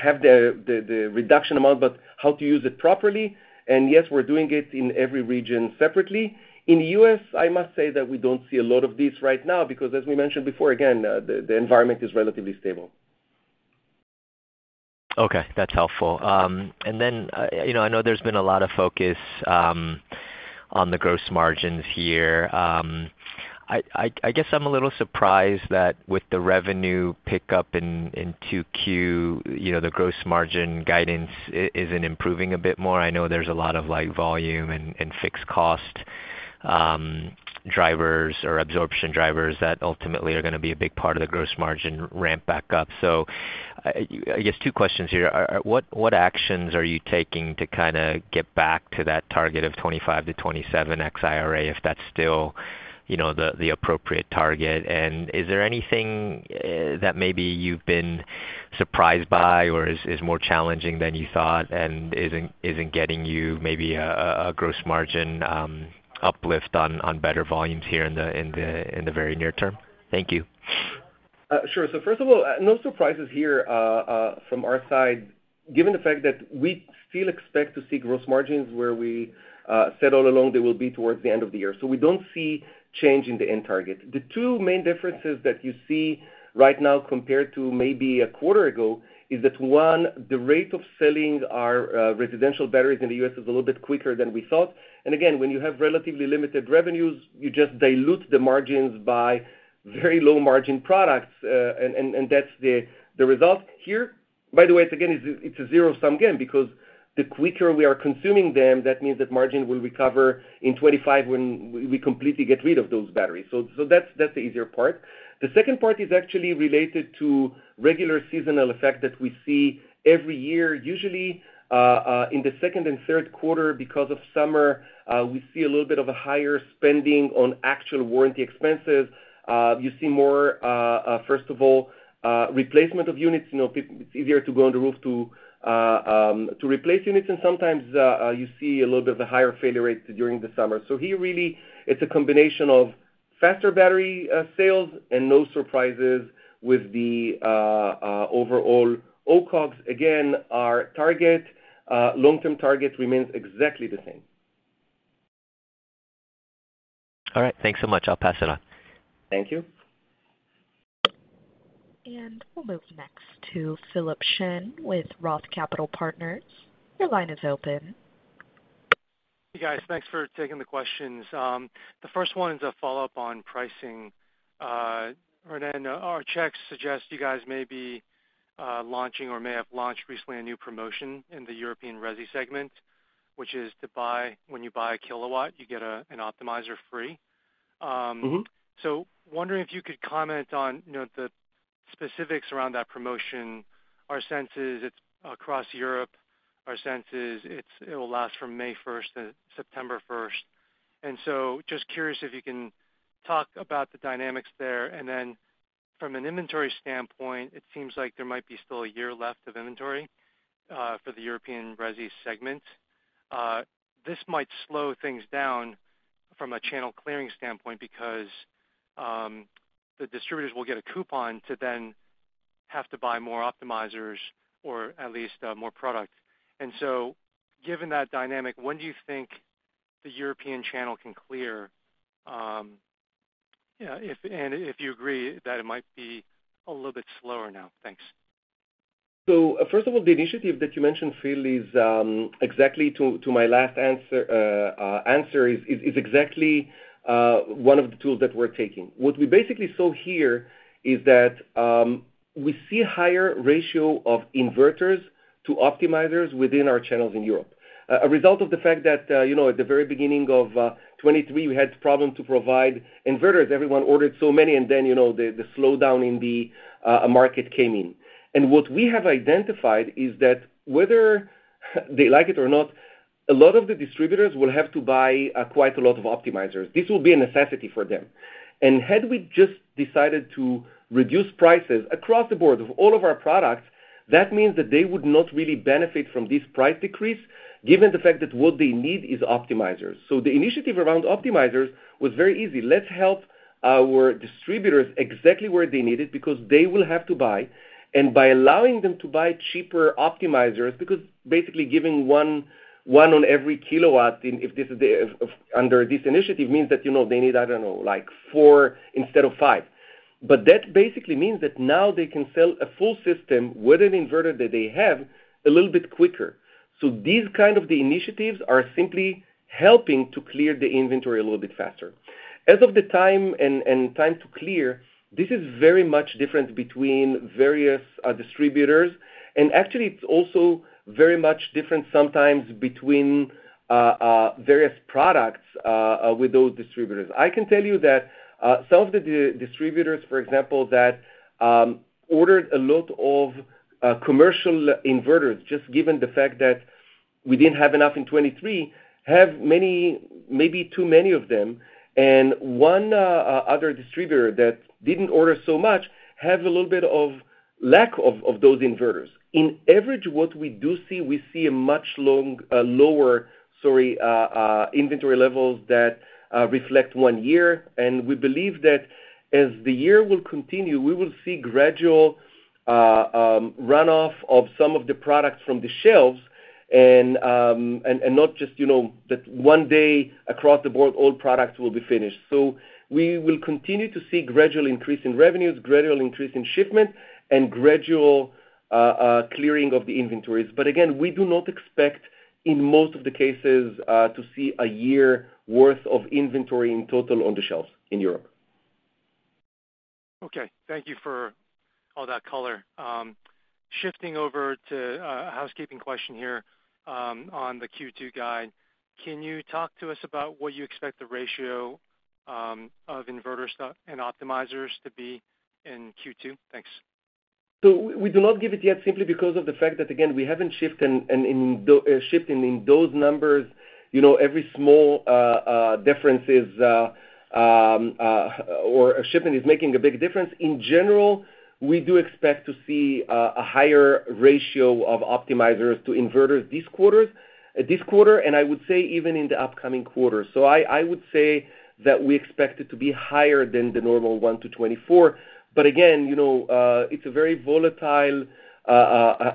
have the reduction amount but how to use it properly. And yes, we're doing it in every region separately. In the U.S., I must say that we don't see a lot of this right now because, as we mentioned before, again, the environment is relatively stable. Okay. That's helpful. And then I know there's been a lot of focus on the gross margins here. I guess I'm a little surprised that with the revenue pickup in Q2, the gross margin guidance isn't improving a bit more. I know there's a lot of volume and fixed cost drivers or absorption drivers that ultimately are going to be a big part of the gross margin ramp back up. So I guess two questions here. What actions are you taking to kind of get back to that target of 25%-27% if that's still the appropriate target? And is there anything that maybe you've been surprised by or is more challenging than you thought and isn't getting you maybe a gross margin uplift on better volumes here in the very near term? Thank you. Sure. First of all, no surprises here from our side given the fact that we still expect to see gross margins where we said all along they will be towards the end of the year. We don't see change in the end target. The two main differences that you see right now compared to maybe a quarter ago is that, one, the rate of selling our residential batteries in the U.S. is a little bit quicker than we thought. And again, when you have relatively limited revenues, you just dilute the margins by very low-margin products, and that's the result. Here, by the way, again, it's a zero-sum game because the quicker we are consuming them, that means that margin will recover in 2025 when we completely get rid of those batteries. That's the easier part. The second part is actually related to regular seasonal effect that we see every year. Usually, in the second and Q3 because of summer, we see a little bit of a higher spending on actual warranty expenses. You see more, first of all, replacement of units. It's easier to go on the roof to replace units. And sometimes, you see a little bit of a higher failure rate during the summer. So here, really, it's a combination of faster battery sales and no surprises with the overall OCOGs. Again, our long-term target remains exactly the same. All right. Thanks so much. I'll pass it on. Thank you. And we'll move next to Philip Shen with Roth Capital Partners. Your line is open. Hey, guys. Thanks for taking the questions. The first one is a follow-up on pricing. Ronen, our checks suggest you guys may be launching or may have launched recently a new promotion in the European Resi segment, which is when you buy a kilowatt, you get an optimizer free. So wondering if you could comment on the specifics around that promotion? Our sense is it's across Europe. Our sense is it will last from May 1st to September 1st. And so just curious if you can talk about the dynamics there. And then from an inventory standpoint, it seems like there might be still a year left of inventory for the European Resi segment. This might slow things down from a channel clearing standpoint because the distributors will get a coupon to then have to buy more optimizers or at least more product. And so given that dynamic, when do you think the European channel can clear? And if you agree that it might be a little bit slower now. Thanks. So first of all, the initiative that you mentioned, Phil, is exactly to my last answer, is exactly one of the tools that we're taking. What we basically saw here is that we see a higher ratio of inverters to optimizers within our channels in Europe. A result of the fact that at the very beginning of 2023, we had problems to provide inverters. Everyone ordered so many. And then the slowdown in the market came in. And what we have identified is that whether they like it or not, a lot of the distributors will have to buy quite a lot of optimizers. This will be a necessity for them. Had we just decided to reduce prices across the board of all of our products, that means that they would not really benefit from this price decrease given the fact that what they need is optimizers. So the initiative around optimizers was very easy. Let's help our distributors exactly where they need it because they will have to buy. And by allowing them to buy cheaper optimizers because basically, giving one on every kilowatt under this initiative means that they need, I don't know, like four instead of five. But that basically means that now they can sell a full system with an inverter that they have a little bit quicker. So these kind of initiatives are simply helping to clear the inventory a little bit faster. As of the time and time to clear, this is very much different between various distributors. Actually, it's also very much different sometimes between various products with those distributors. I can tell you that some of the distributors, for example, that ordered a lot of commercial inverters, just given the fact that we didn't have enough in 2023, have maybe too many of them. And one other distributor that didn't order so much has a little bit of lack of those inverters. On average, what we do see, we see a much lower inventory levels that reflect one year. And we believe that as the year will continue, we will see gradual runoff of some of the products from the shelves and not just that one day across the board, all products will be finished. So we will continue to see gradual increase in revenues, gradual increase in shipment, and gradual clearing of the inventories. But again, we do not expect in most of the cases to see a year worth of inventory in total on the shelves in Europe. Okay. Thank you for all that color. Shifting over to a housekeeping question here on the Q2 guide. Can you talk to us about what you expect the ratio of inverters and optimizers to be in Q2? Thanks. So we do not give it yet simply because of the fact that, again, we haven't shifted in those numbers. Every small difference or shifting is making a big difference. In general, we do expect to see a higher ratio of optimizers to inverters this quarter and I would say even in the upcoming quarter. So I would say that we expect it to be higher than the normal 1 to 24. But again, it's a very volatile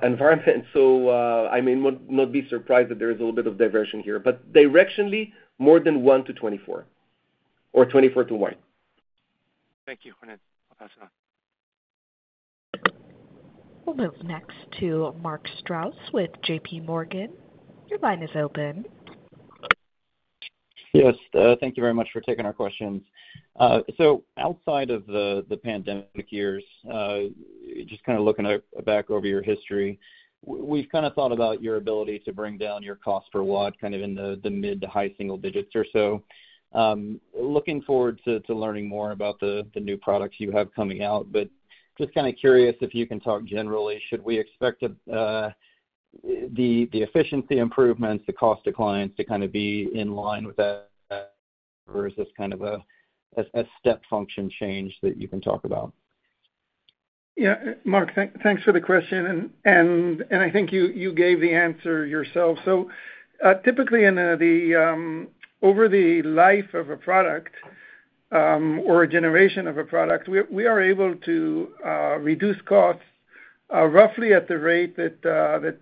environment. So I mean, not be surprised that there is a little bit of diversion here. But directionally, more than 1 to 24 or 24 to 1. Thank you, Ronen. I'll pass it on. We'll move next to Mark Strouse with JPMorgan. Your line is open. Yes. Thank you very much for taking our questions. So outside of the pandemic years, just kind of looking back over your history, we've kind of thought about your ability to bring down your cost per watt kind of in the mid- to high single digits or so, looking forward to learning more about the new products you have coming out. But just kind of curious if you can talk generally, should we expect the efficiency improvements, the cost declines to kind of be in line with that versus kind of a step function change that you can talk about? Yeah. Mark, thanks for the question. And I think you gave the answer yourself. So typically, over the life of a product or a generation of a product, we are able to reduce costs roughly at the rate that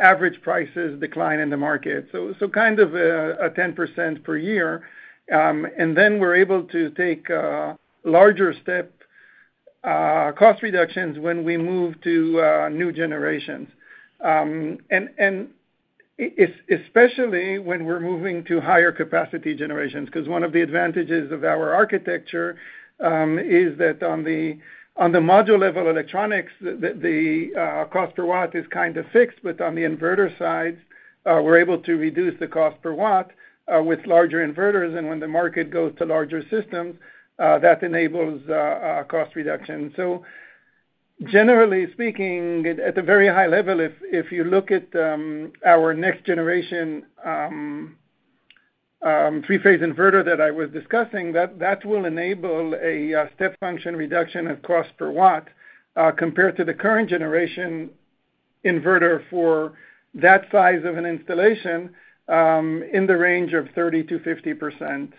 average prices decline in the market, so kind of a 10% per year. And then we're able to take larger step cost reductions when we move to new generations, especially when we're moving to higher capacity generations because one of the advantages of our architecture is that on the module-level electronics, the cost per watt is kind of fixed. But on the inverter side, we're able to reduce the cost per watt with larger inverters. And when the market goes to larger systems, that enables cost reduction. So generally speaking, at a very high level, if you look at our next-generation three-phase inverter that I was discussing, that will enable a step function reduction of cost per watt compared to the current-generation inverter for that size of an installation in the range of 30%-50%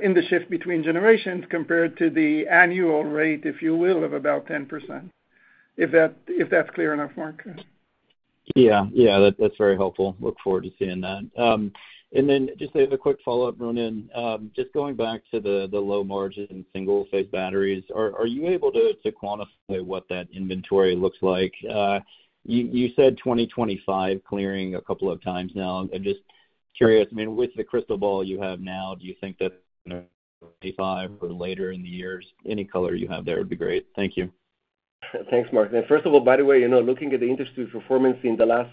in the shift between generations compared to the annual rate, if you will, of about 10%, if that's clear enough, Mark. Yeah. Yeah. That's very helpful. Look forward to seeing that. And then just a quick follow-up, Ronen. Just going back to the low-margin single-phase batteries, are you able to quantify what that inventory looks like? You said 2025 clearing a couple of times now. Just curious. I mean, with the crystal ball you have now, do you think that in 2025 or later in the years, any color you have there would be great? Thank you. Thanks, Mark. And first of all, by the way, looking at the industry performance in the last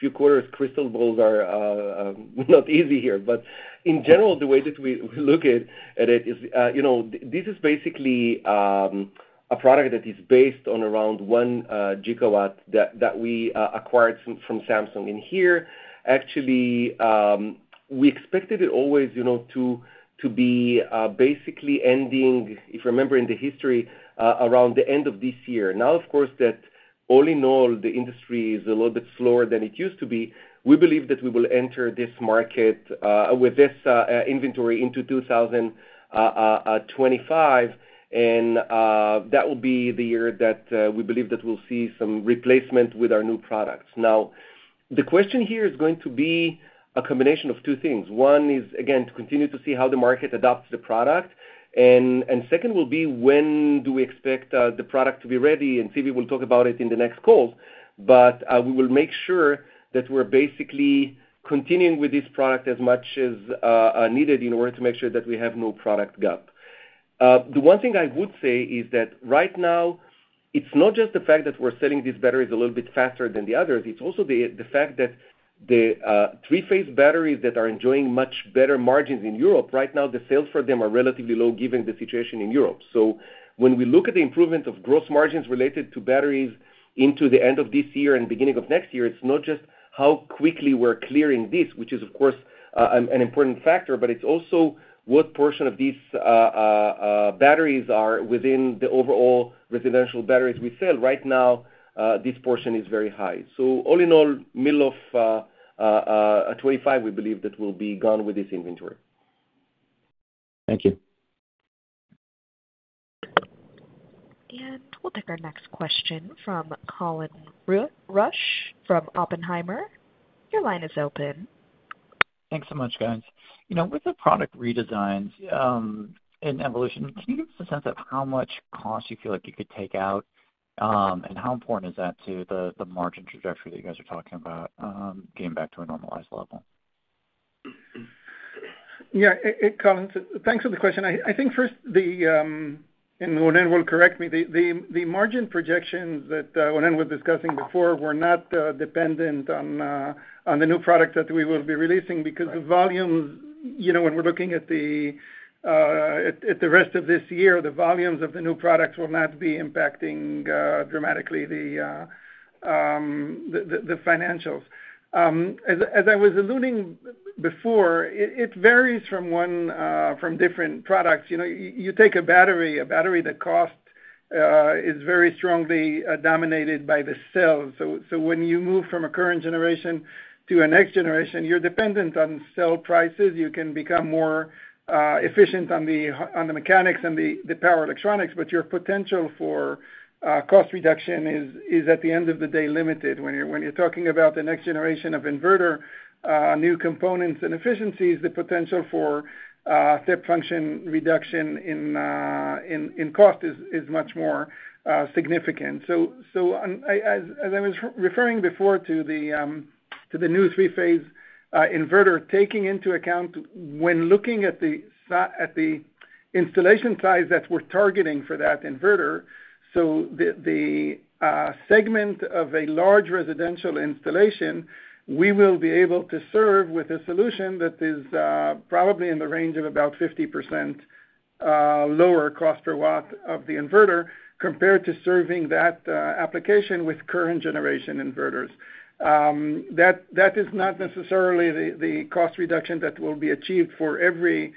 few quarters, crystal balls are not easy here. But in general, the way that we look at it is this is basically a product that is based on around 1 GW that we acquired from Samsung. And here, actually, we expected it always to be basically ending, if you remember in the history, around the end of this year. Now, of course, that all in all, the industry is a little bit slower than it used to be. We believe that we will enter this market with this inventory into 2025. And that will be the year that we believe that we'll see some replacement with our new products. Now, the question here is going to be a combination of two things. One is, again, to continue to see how the market adopts the product. And second will be, when do we expect the product to be ready? And maybe we'll talk about it in the next calls. But we will make sure that we're basically continuing with this product as much as needed in order to make sure that we have no product gap. The one thing I would say is that right now, it's not just the fact that we're selling these batteries a little bit faster than the others. It's also the fact that the three-phase batteries that are enjoying much better margins in Europe, right now, the sales for them are relatively low given the situation in Europe. So when we look at the improvement of gross margins related to batteries into the end of this year and beginning of next year, it's not just how quickly we're clearing this, which is, of course, an important factor. But it's also what portion of these batteries are within the overall residential batteries we sell. Right now, this portion is very high. So all in all, middle of 2025, we believe that we'll be gone with this inventory. Thank you. And we'll take our next question from Colin Rush from Oppenheimer. Your line is open. Thanks so much, guys. With the product redesigns and evolution, can you give us a sense of how much cost you feel like you could take out? And how important is that to the margin trajectory that you guys are talking about getting back to a normalized level? Yeah. Colin, thanks for the question. I think first, Ronen will correct me. The margin projections that Ronen was discussing before were not dependent on the new product that we will be releasing because the volumes when we're looking at the rest of this year, the volumes of the new products will not be impacting dramatically the financials. As I was alluding before, it varies from different products. You take a battery. A battery that costs is very strongly dominated by the cells. So when you move from a current generation to a next generation, you're dependent on cell prices. You can become more efficient on the mechanics and the power electronics. But your potential for cost reduction is, at the end of the day, limited. When you're talking about the next generation of inverter, new components and efficiencies, the potential for step function reduction in cost is much more significant. So as I was referring before to the new three-phase inverter, taking into account when looking at the installation size that we're targeting for that inverter, so the segment of a large residential installation, we will be able to serve with a solution that is probably in the range of about 50% lower cost per watt of the inverter compared to serving that application with current-generation inverters. That is not necessarily the cost reduction that will be achieved for every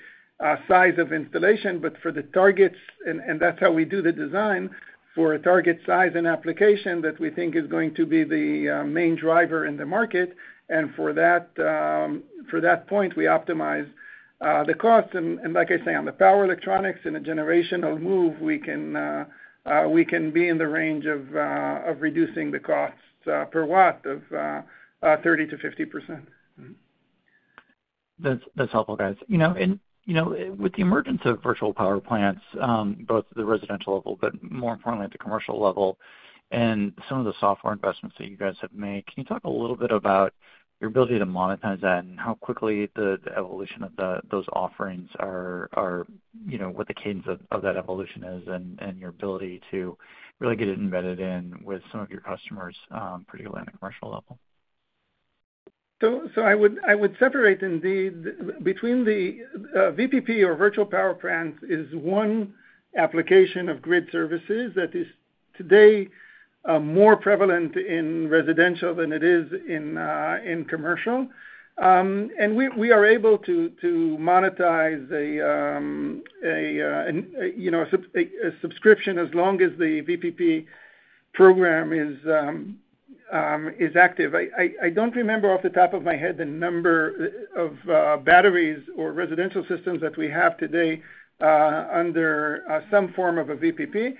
size of installation. But for the targets and that's how we do the design for a target size and application that we think is going to be the main driver in the market. And for that point, we optimize the costs. And like I say, on the power electronics, in a generational move, we can be in the range of reducing the costs per watt of 30%-50%. That's helpful, guys. And with the emergence of virtual power plants, both at the residential level but more importantly, at the commercial level and some of the software investments that you guys have made, can you talk a little bit about your ability to monetize that and how quickly the evolution of those offerings are what the cadence of that evolution is and your ability to really get it embedded in with some of your customers, particularly on the commercial level? So I would separate indeed between the VPP or virtual power plants is one application of grid services that is today more prevalent in residential than it is in commercial. And we are able to monetize a subscription as long as the VPP program is active. I don't remember off the top of my head the number of batteries or residential systems that we have today under some form of a VPP.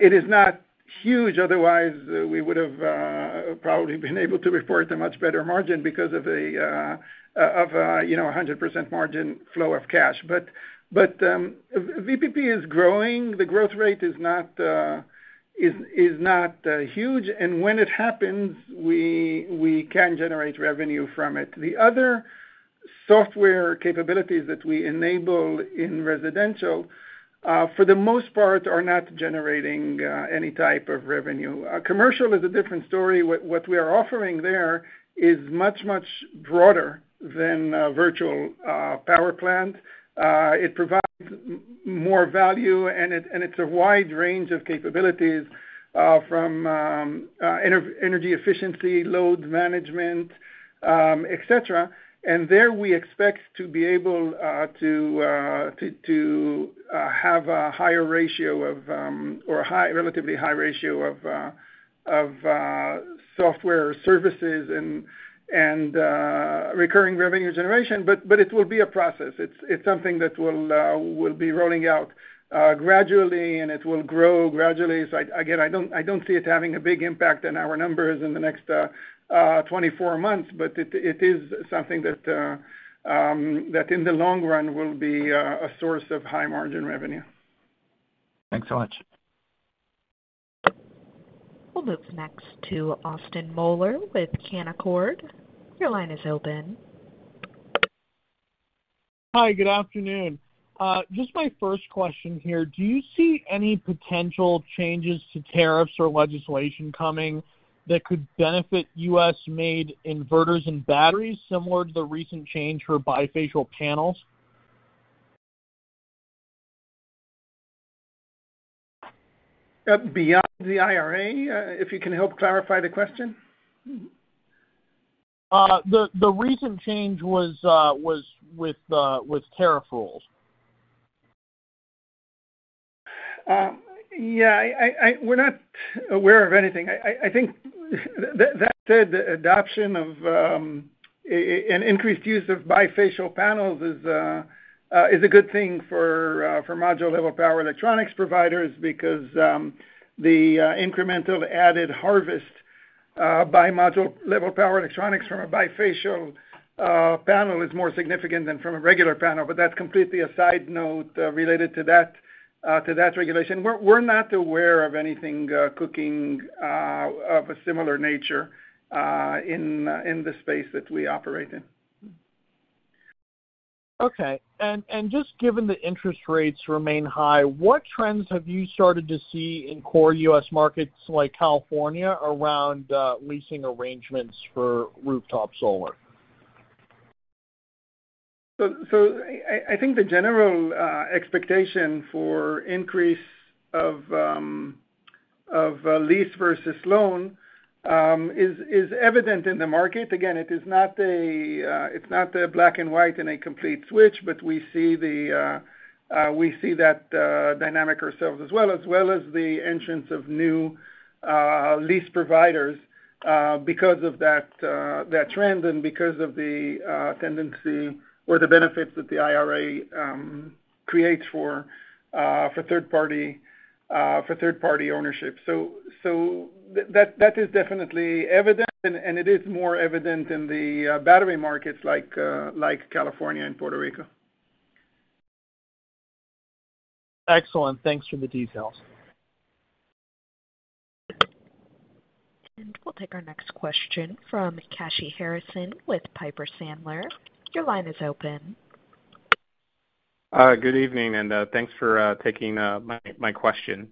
It is not huge. Otherwise, we would have probably been able to report a much better margin because of a 100% margin flow of cash. But VPP is growing. The growth rate is not huge. And when it happens, we can generate revenue from it. The other software capabilities that we enable in residential, for the most part, are not generating any type of revenue. Commercial is a different story. What we are offering there is much, much broader than virtual power plant. It provides more value. And it's a wide range of capabilities from energy efficiency, load management, etc. And there, we expect to be able to have a higher ratio of or a relatively high ratio of software services and recurring revenue generation. But it will be a process. It's something that will be rolling out gradually. And it will grow gradually. So again, I don't see it having a big impact on our numbers in the next 24 months. But it is something that in the long run will be a source of high-margin revenue. Thanks so much. We'll move next to Austin Moeller with Canaccord. Your line is open. Hi. Good afternoon. Just my first question here. Do you see any potential changes to tariffs or legislation coming that could benefit U.S.-made inverters and batteries similar to the recent change for bifacial panels? Beyond the IRA, if you can help clarify the question? The recent change was with tariff rules. Yeah. We're not aware of anything. I think that said, the adoption of an increased use of bifacial panels is a good thing for module-level power electronics providers because the incremental added harvest by module-level power electronics from a bifacial panel is more significant than from a regular panel. But that's completely a side note related to that regulation. We're not aware of anything cooking of a similar nature in the space that we operate in. Okay. Just given the interest rates remain high, what trends have you started to see in core U.S. markets like California around leasing arrangements for rooftop solar? So I think the general expectation for increase of lease versus loan is evident in the market. Again, it is not a it's not black and white and a complete switch. But we see that dynamic ourselves as well, as well as the entrance of new lease providers because of that trend and because of the tendency or the benefits that the IRA creates for third-party ownership. So that is definitely evident. And it is more evident in the battery markets like California and Puerto Rico. Excellent. Thanks for the details. And we'll take our next question from Kashy Harrison with Piper Sandler. Your line is open. Good evening. And thanks for taking my question.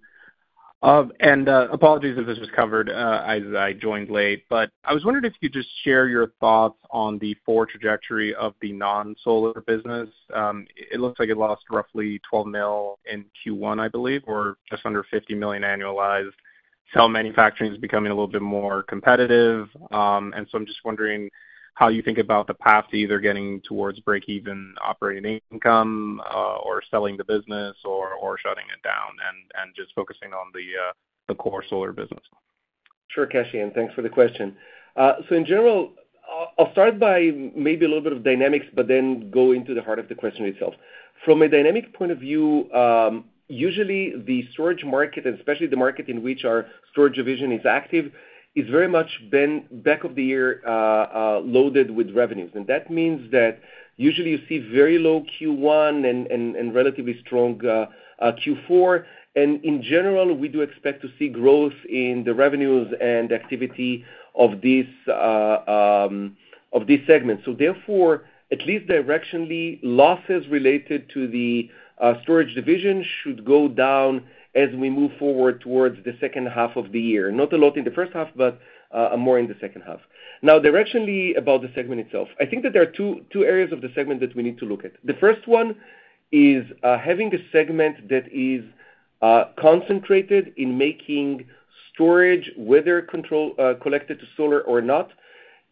And apologies if this was covered as I joined late. But I was wondering if you could just share your thoughts on the forward trajectory of the non-solar business. It looks like it lost roughly $12 million in Q1, I believe, or just under $50 million annualized. Cell manufacturing is becoming a little bit more competitive. So I'm just wondering how you think about the path to either getting towards break-even operating income or selling the business or shutting it down and just focusing on the core solar business. Sure, Kashy. Thanks for the question. So in general, I'll start by maybe a little bit of dynamics but then go into the heart of the question itself. From a dynamic point of view, usually, the storage market, and especially the market in which our storage division is active, is very much back-of-the-year loaded with revenues. And that means that usually, you see very low Q1 and relatively strong Q4. And in general, we do expect to see growth in the revenues and activity of this segment. So therefore, at least directionally, losses related to the storage division should go down as we move forward towards the second half of the year, not a lot in the first half but more in the second half. Now, directionally about the segment itself, I think that there are two areas of the segment that we need to look at. The first one is having a segment that is concentrated in making storage, whether connected to solar or not.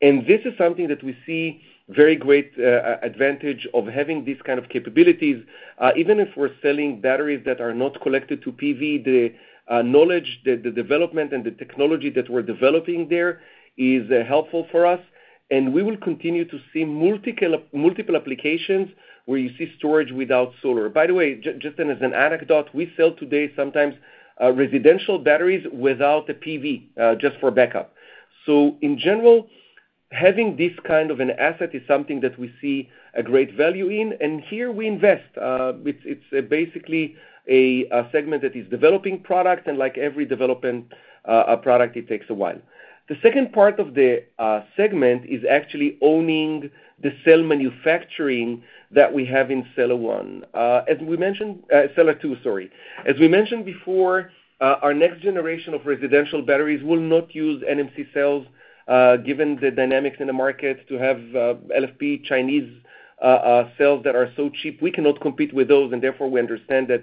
And this is something that we see very great advantage of having this kind of capabilities. Even if we're selling batteries that are not connected to PV, the knowledge, the development, and the technology that we're developing there is helpful for us. And we will continue to see multiple applications where you see storage without solar. By the way, just as an anecdote, we sell today sometimes residential batteries without a PV just for backup. In general, having this kind of an asset is something that we see a great value in. Here, we invest. It's basically a segment that is developing product. Like every development product, it takes a while. The second part of the segment is actually owning the cell manufacturing that we have in seller one. As we mentioned, seller two, sorry. As we mentioned before, our next generation of residential batteries will not use NMC cells given the dynamics in the market to have LFP Chinese cells that are so cheap. We cannot compete with those. Therefore, we understand that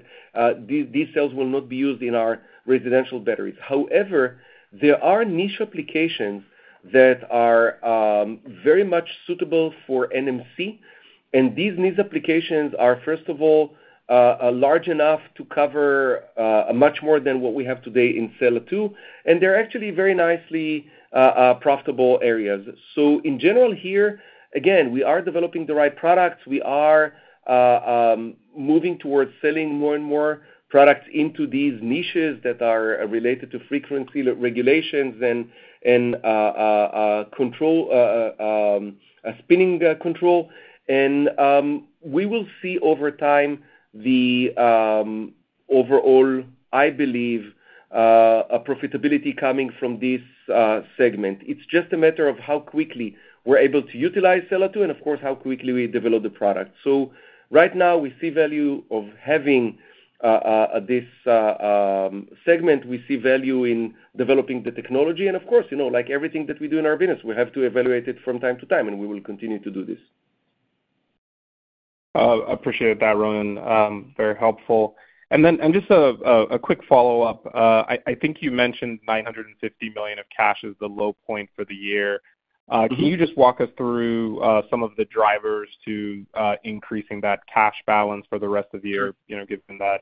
these cells will not be used in our residential batteries. However, there are niche applications that are very much suitable for NMC. These niche applications are, first of all, large enough to cover much more than what we have today in solar too. They're actually very nicely profitable areas. So in general here, again, we are developing the right products. We are moving towards selling more and more products into these niches that are related to frequency regulations and spinning control. We will see over time the overall, I believe, profitability coming from this segment. It's just a matter of how quickly we're able to utilize solar too and, of course, how quickly we develop the product. So right now, we see value of having this segment. We see value in developing the technology. Of course, like everything that we do in our business, we have to evaluate it from time to time. We will continue to do this. I appreciate that, Ronen. Very helpful. Just a quick follow-up. I think you mentioned $950 million of cash is the low point for the year. Can you just walk us through some of the drivers to increasing that cash balance for the rest of the year given that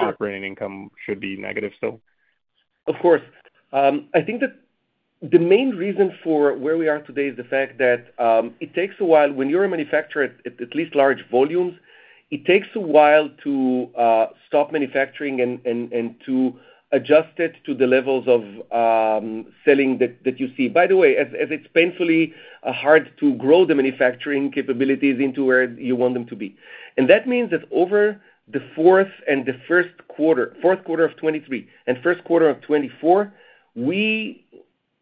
operating income should be negative still? Of course. I think that the main reason for where we are today is the fact that it takes a while when you're a manufacturer at least large volumes, it takes a while to stop manufacturing and to adjust it to the levels of selling that you see, by the way, as it's painfully hard to grow the manufacturing capabilities into where you want them to be. That means that over the fourth and the Q1,Q4 of 2023 and Q1 of 2024,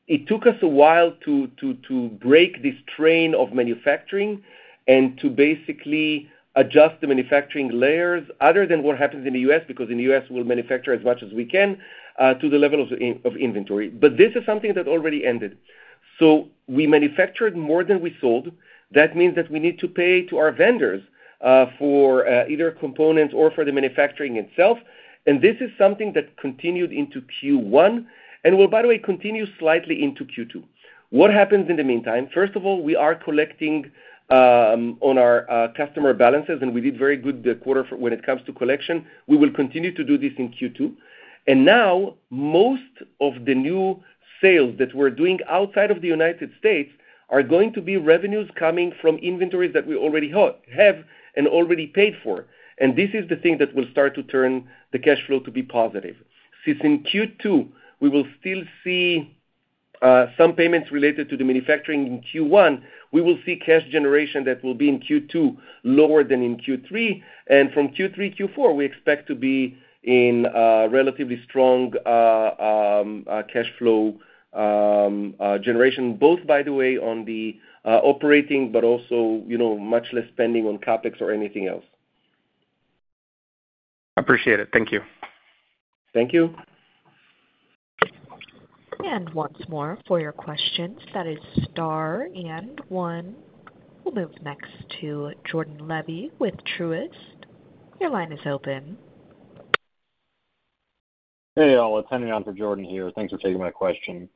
it took us a while to break this train of manufacturing and to basically adjust the manufacturing layers other than what happens in the US because in the US, we'll manufacture as much as we can to the level of inventory. This is something that already ended. We manufactured more than we sold. That means that we need to pay to our vendors for either components or for the manufacturing itself. This is something that continued into Q1 and will, by the way, continue slightly into Q2. What happens in the meantime? First of all, we are collecting on our customer balances. We did very good quarter when it comes to collection. We will continue to do this in Q2. And now, most of the new sales that we're doing outside of the United States are going to be revenues coming from inventories that we already have and already paid for. And this is the thing that will start to turn the cash flow to be positive. Since in Q2, we will still see some payments related to the manufacturing. In Q1, we will see cash generation that will be in Q2 lower than in Q3. And from Q3, Q4, we expect to be in relatively strong cash flow generation, both, by the way, on the operating but also much less spending on CapEx or anything else. I appreciate it. Thank you. Thank you. And once more, for your questions, that is star and one. We'll move next to Jordan Levy with Truist. Your line is open. Hey, y'all. It's Henry Ahearn, Jordan here. Thanks for taking my question.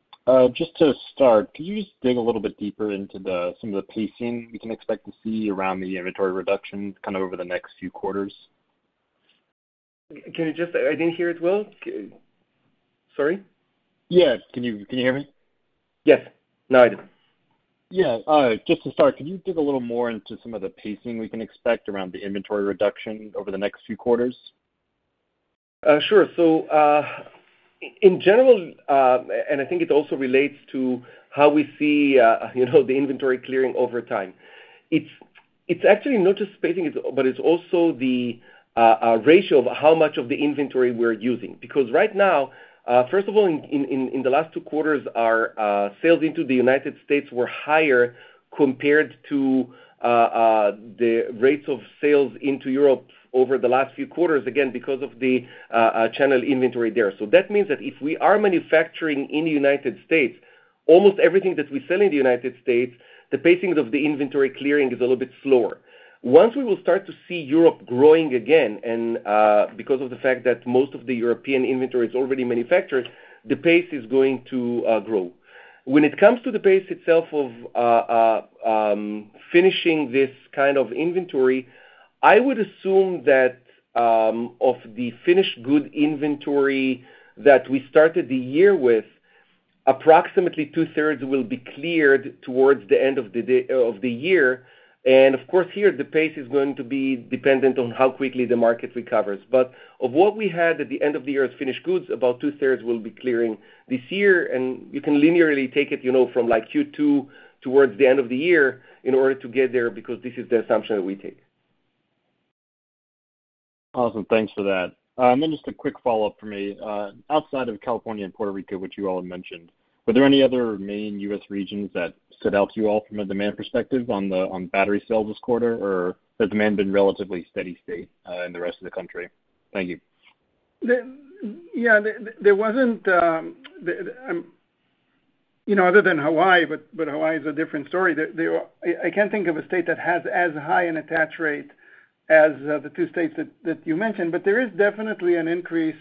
Just to start, could you just dig a little bit deeper into some of the pacing we can expect to see around the inventory reduction kind of over the next few quarters? I didn't hear it well. Sorry? Yeah. Can you hear me? Yes. Now, I do. Yeah. Just to start, could you dig a little more into some of the pacing we can expect around the inventory reduction over the next few quarters? Sure. So in general, and I think it also relates to how we see the inventory clearing over time, it's actually not just spacing, but it's also the ratio of how much of the inventory we're using because right now, first of all, in the last two quarters, our sales into the United States were higher compared to the rates of sales into Europe over the last few quarters, again, because of the channel inventory there. That means that if we are manufacturing in the United States, almost everything that we sell in the United States, the pacing of the inventory clearing is a little bit slower. Once we will start to see Europe growing again and because of the fact that most of the European inventory is already manufactured, the pace is going to grow. When it comes to the pace itself of finishing this kind of inventory, I would assume that of the finished good inventory that we started the year with, approximately two-thirds will be cleared towards the end of the year. Of course, here, the pace is going to be dependent on how quickly the market recovers. Of what we had at the end of the year as finished goods, about two-thirds will be clearing this year. You can linearly take it from Q2 towards the end of the year in order to get there because this is the assumption that we take. Awesome. Thanks for that. Then just a quick follow-up for me. Outside of California and Puerto Rico, which you all had mentioned, were there any other main US regions that stood out to you all from a demand perspective on battery sales this quarter, or has demand been relatively steady state in the rest of the country? Thank you. Yeah. Other than Hawaii, but Hawaii is a different story, I can't think of a state that has as high an attach rate as the two states that you mentioned. But there is definitely an increase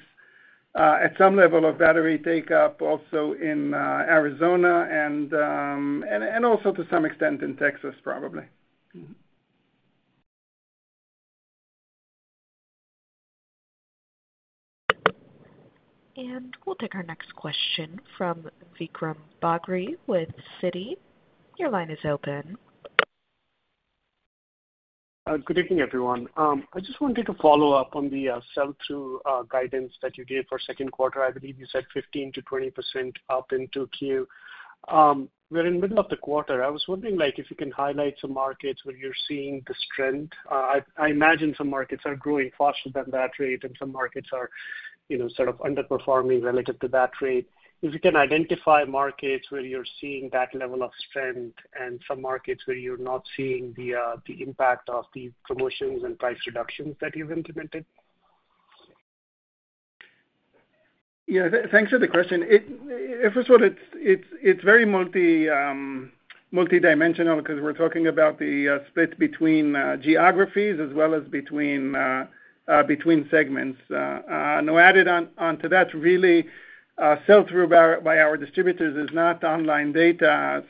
at some level of battery uptake also in Arizona and also to some extent in Texas, probably. And we'll take our next question from Vikram Bagri with Citi. Your line is open. Good evening, everyone. I just wanted to follow up on the sell-through guidance that you gave for Q2. I believe you said 15%-20% up into Q. We're in the middle of the quarter. I was wondering if you can highlight some markets where you're seeing the strength. I imagine some markets are growing faster than that rate, and some markets are sort of underperforming relative to that rate. If you can identify markets where you're seeing that level of strength and some markets where you're not seeing the impact of the promotions and price reductions that you've implemented. Yeah. Thanks for the question. First of all, it's very multidimensional because we're talking about the split between geographies as well as between segments. Now, added onto that, really, sell-through by our distributors is not online data.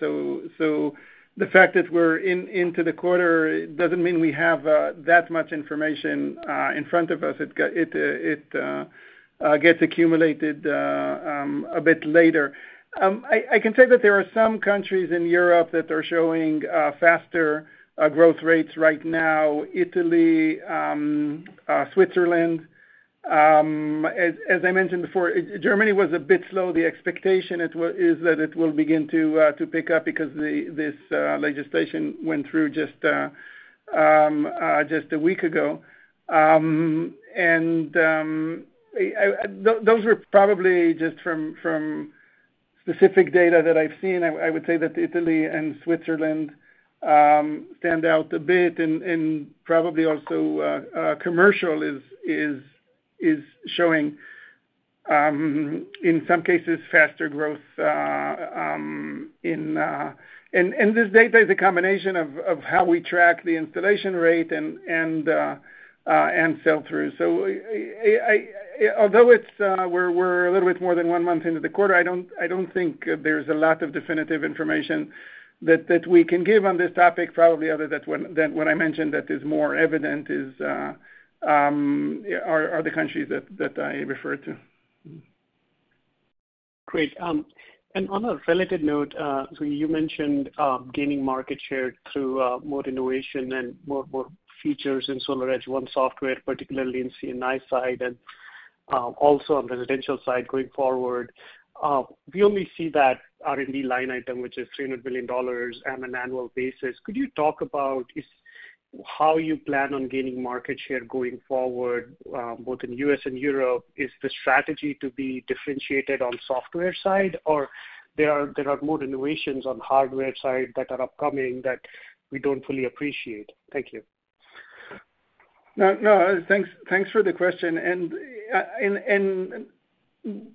So the fact that we're into the quarter doesn't mean we have that much information in front of us. It gets accumulated a bit later. I can say that there are some countries in Europe that are showing faster growth rates right now: Italy, Switzerland. As I mentioned before, Germany was a bit slow. The expectation is that it will begin to pick up because this legislation went through just a week ago. And those were probably just from specific data that I've seen. I would say that Italy and Switzerland stand out a bit. And probably also, commercial is showing, in some cases, faster growth. And this data is a combination of how we track the installation rate and sell-through. So although we're a little bit more than one month into the quarter, I don't think there's a lot of definitive information that we can give on this topic. Probably other than what I mentioned that is more evident are the countries that I referred to. Great. And on a related note, so you mentioned gaining market share through more innovation and more features in SolarEdge One software, particularly in C&I side and also on residential side going forward. We only see that R&D line item, which is $300 million on an annual basis. Could you talk about how you plan on gaining market share going forward both in the U.S. and Europe? Is the strategy to be differentiated on the software side, or there are more innovations on the hardware side that are upcoming that we don't fully appreciate? Thank you. No. Thanks for the question.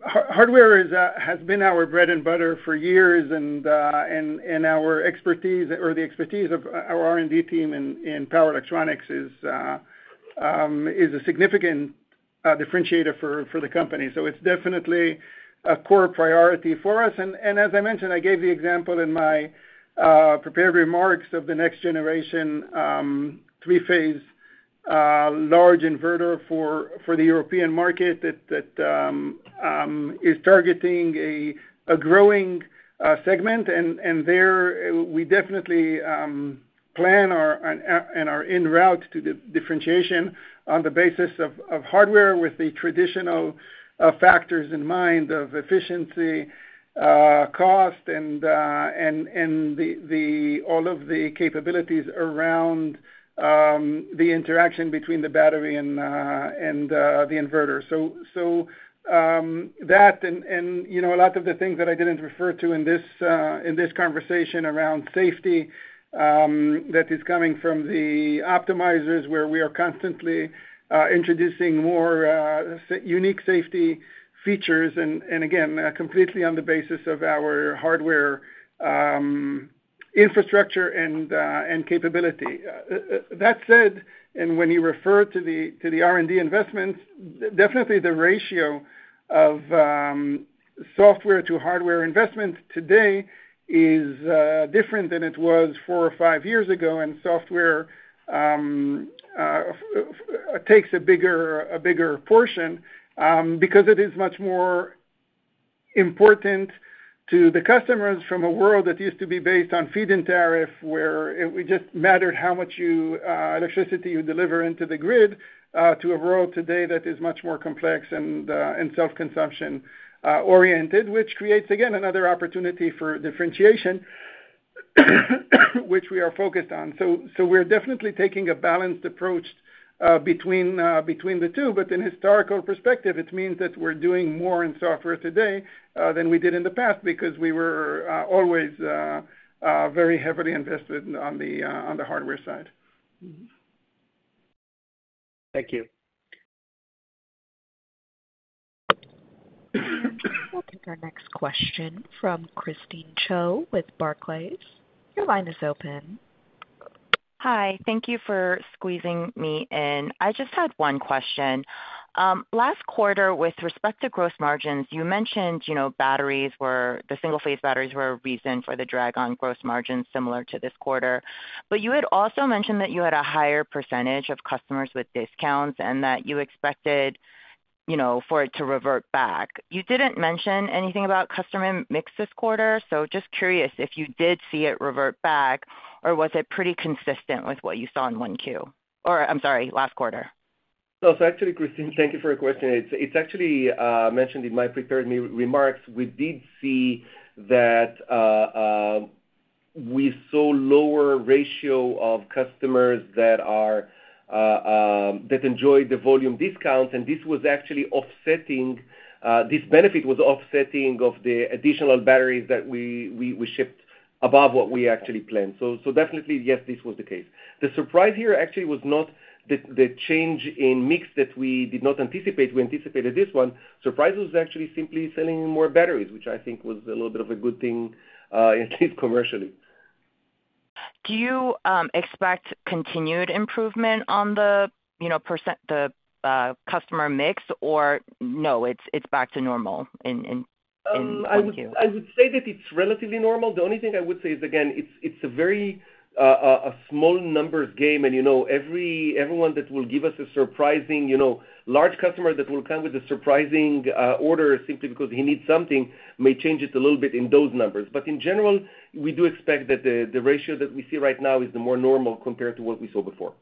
Hardware has been our bread and butter for years. Our expertise or the expertise of our R&D team in power electronics is a significant differentiator for the company. It's definitely a core priority for us. As I mentioned, I gave the example in my prepared remarks of the next-generation three-phase large inverter for the European market that is targeting a growing segment. There, we definitely plan and are en route to the differentiation on the basis of hardware with the traditional factors in mind of efficiency, cost, and all of the capabilities around the interaction between the battery and the inverter. So that and a lot of the things that I didn't refer to in this conversation around safety that is coming from the optimizers where we are constantly introducing more unique safety features and, again, completely on the basis of our hardware infrastructure and capability. That said, and when you refer to the R&D investments, definitely, the ratio of software-to-hardware investments today is different than it was four or five years ago. And software takes a bigger portion because it is much more important to the customers from a world that used to be based on feed-in tariff where it just mattered how much electricity you deliver into the grid to a world today that is much more complex and self-consumption-oriented, which creates, again, another opportunity for differentiation, which we are focused on. So we're definitely taking a balanced approach between the two. But in historical perspective, it means that we're doing more in software today than we did in the past because we were always very heavily invested on the hardware side. Thank you. We'll take our next question from Christine Cho with Barclays. Your line is open. Hi. Thank you for squeezing me in. I just had one question. Last quarter, with respect to gross margins, you mentioned the single-phase batteries were a reason for the drag on gross margins similar to this quarter. But you had also mentioned that you had a higher percentage of customers with discounts and that you expected for it to revert back. You didn't mention anything about customer mix this quarter. So just curious if you did see it revert back, or was it pretty consistent with what you saw in 1Q? Or I'm sorry, last quarter. No. So actually, Christine, thank you for your question. It's actually mentioned in my prepared remarks. We did see that we saw a lower ratio of customers that enjoyed the volume discounts. And this was actually offsetting this benefit was offsetting of the additional batteries that we shipped above what we actually planned. So definitely, yes, this was the case. The surprise here actually was not the change in mix that we did not anticipate. We anticipated this one. Surprise was actually simply selling more batteries, which I think was a little bit of a good thing, at least commercially. Do you expect continued improvement on the customer mix, or no, it's back to normal in one Q? I would say that it's relatively normal. The only thing I would say is, again, it's a very small numbers game. Everyone that will give us a surprisingly large customer that will come with a surprisingly large order simply because he needs something may change it a little bit in those numbers. But in general, we do expect that the ratio that we see right now is the more normal compared to what we saw before.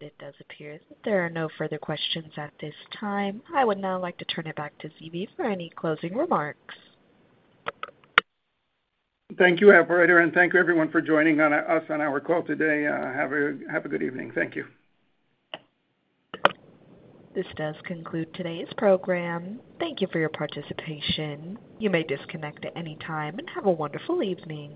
It does appear that there are no further questions at this time. I would now like to turn it back to Zvi for any closing remarks. Thank you, operator. And thank you, everyone, for joining us on our call today. Have a good evening. Thank you. This does conclude today's program. Thank you for your participation. You may disconnect at any time and have a wonderful evening.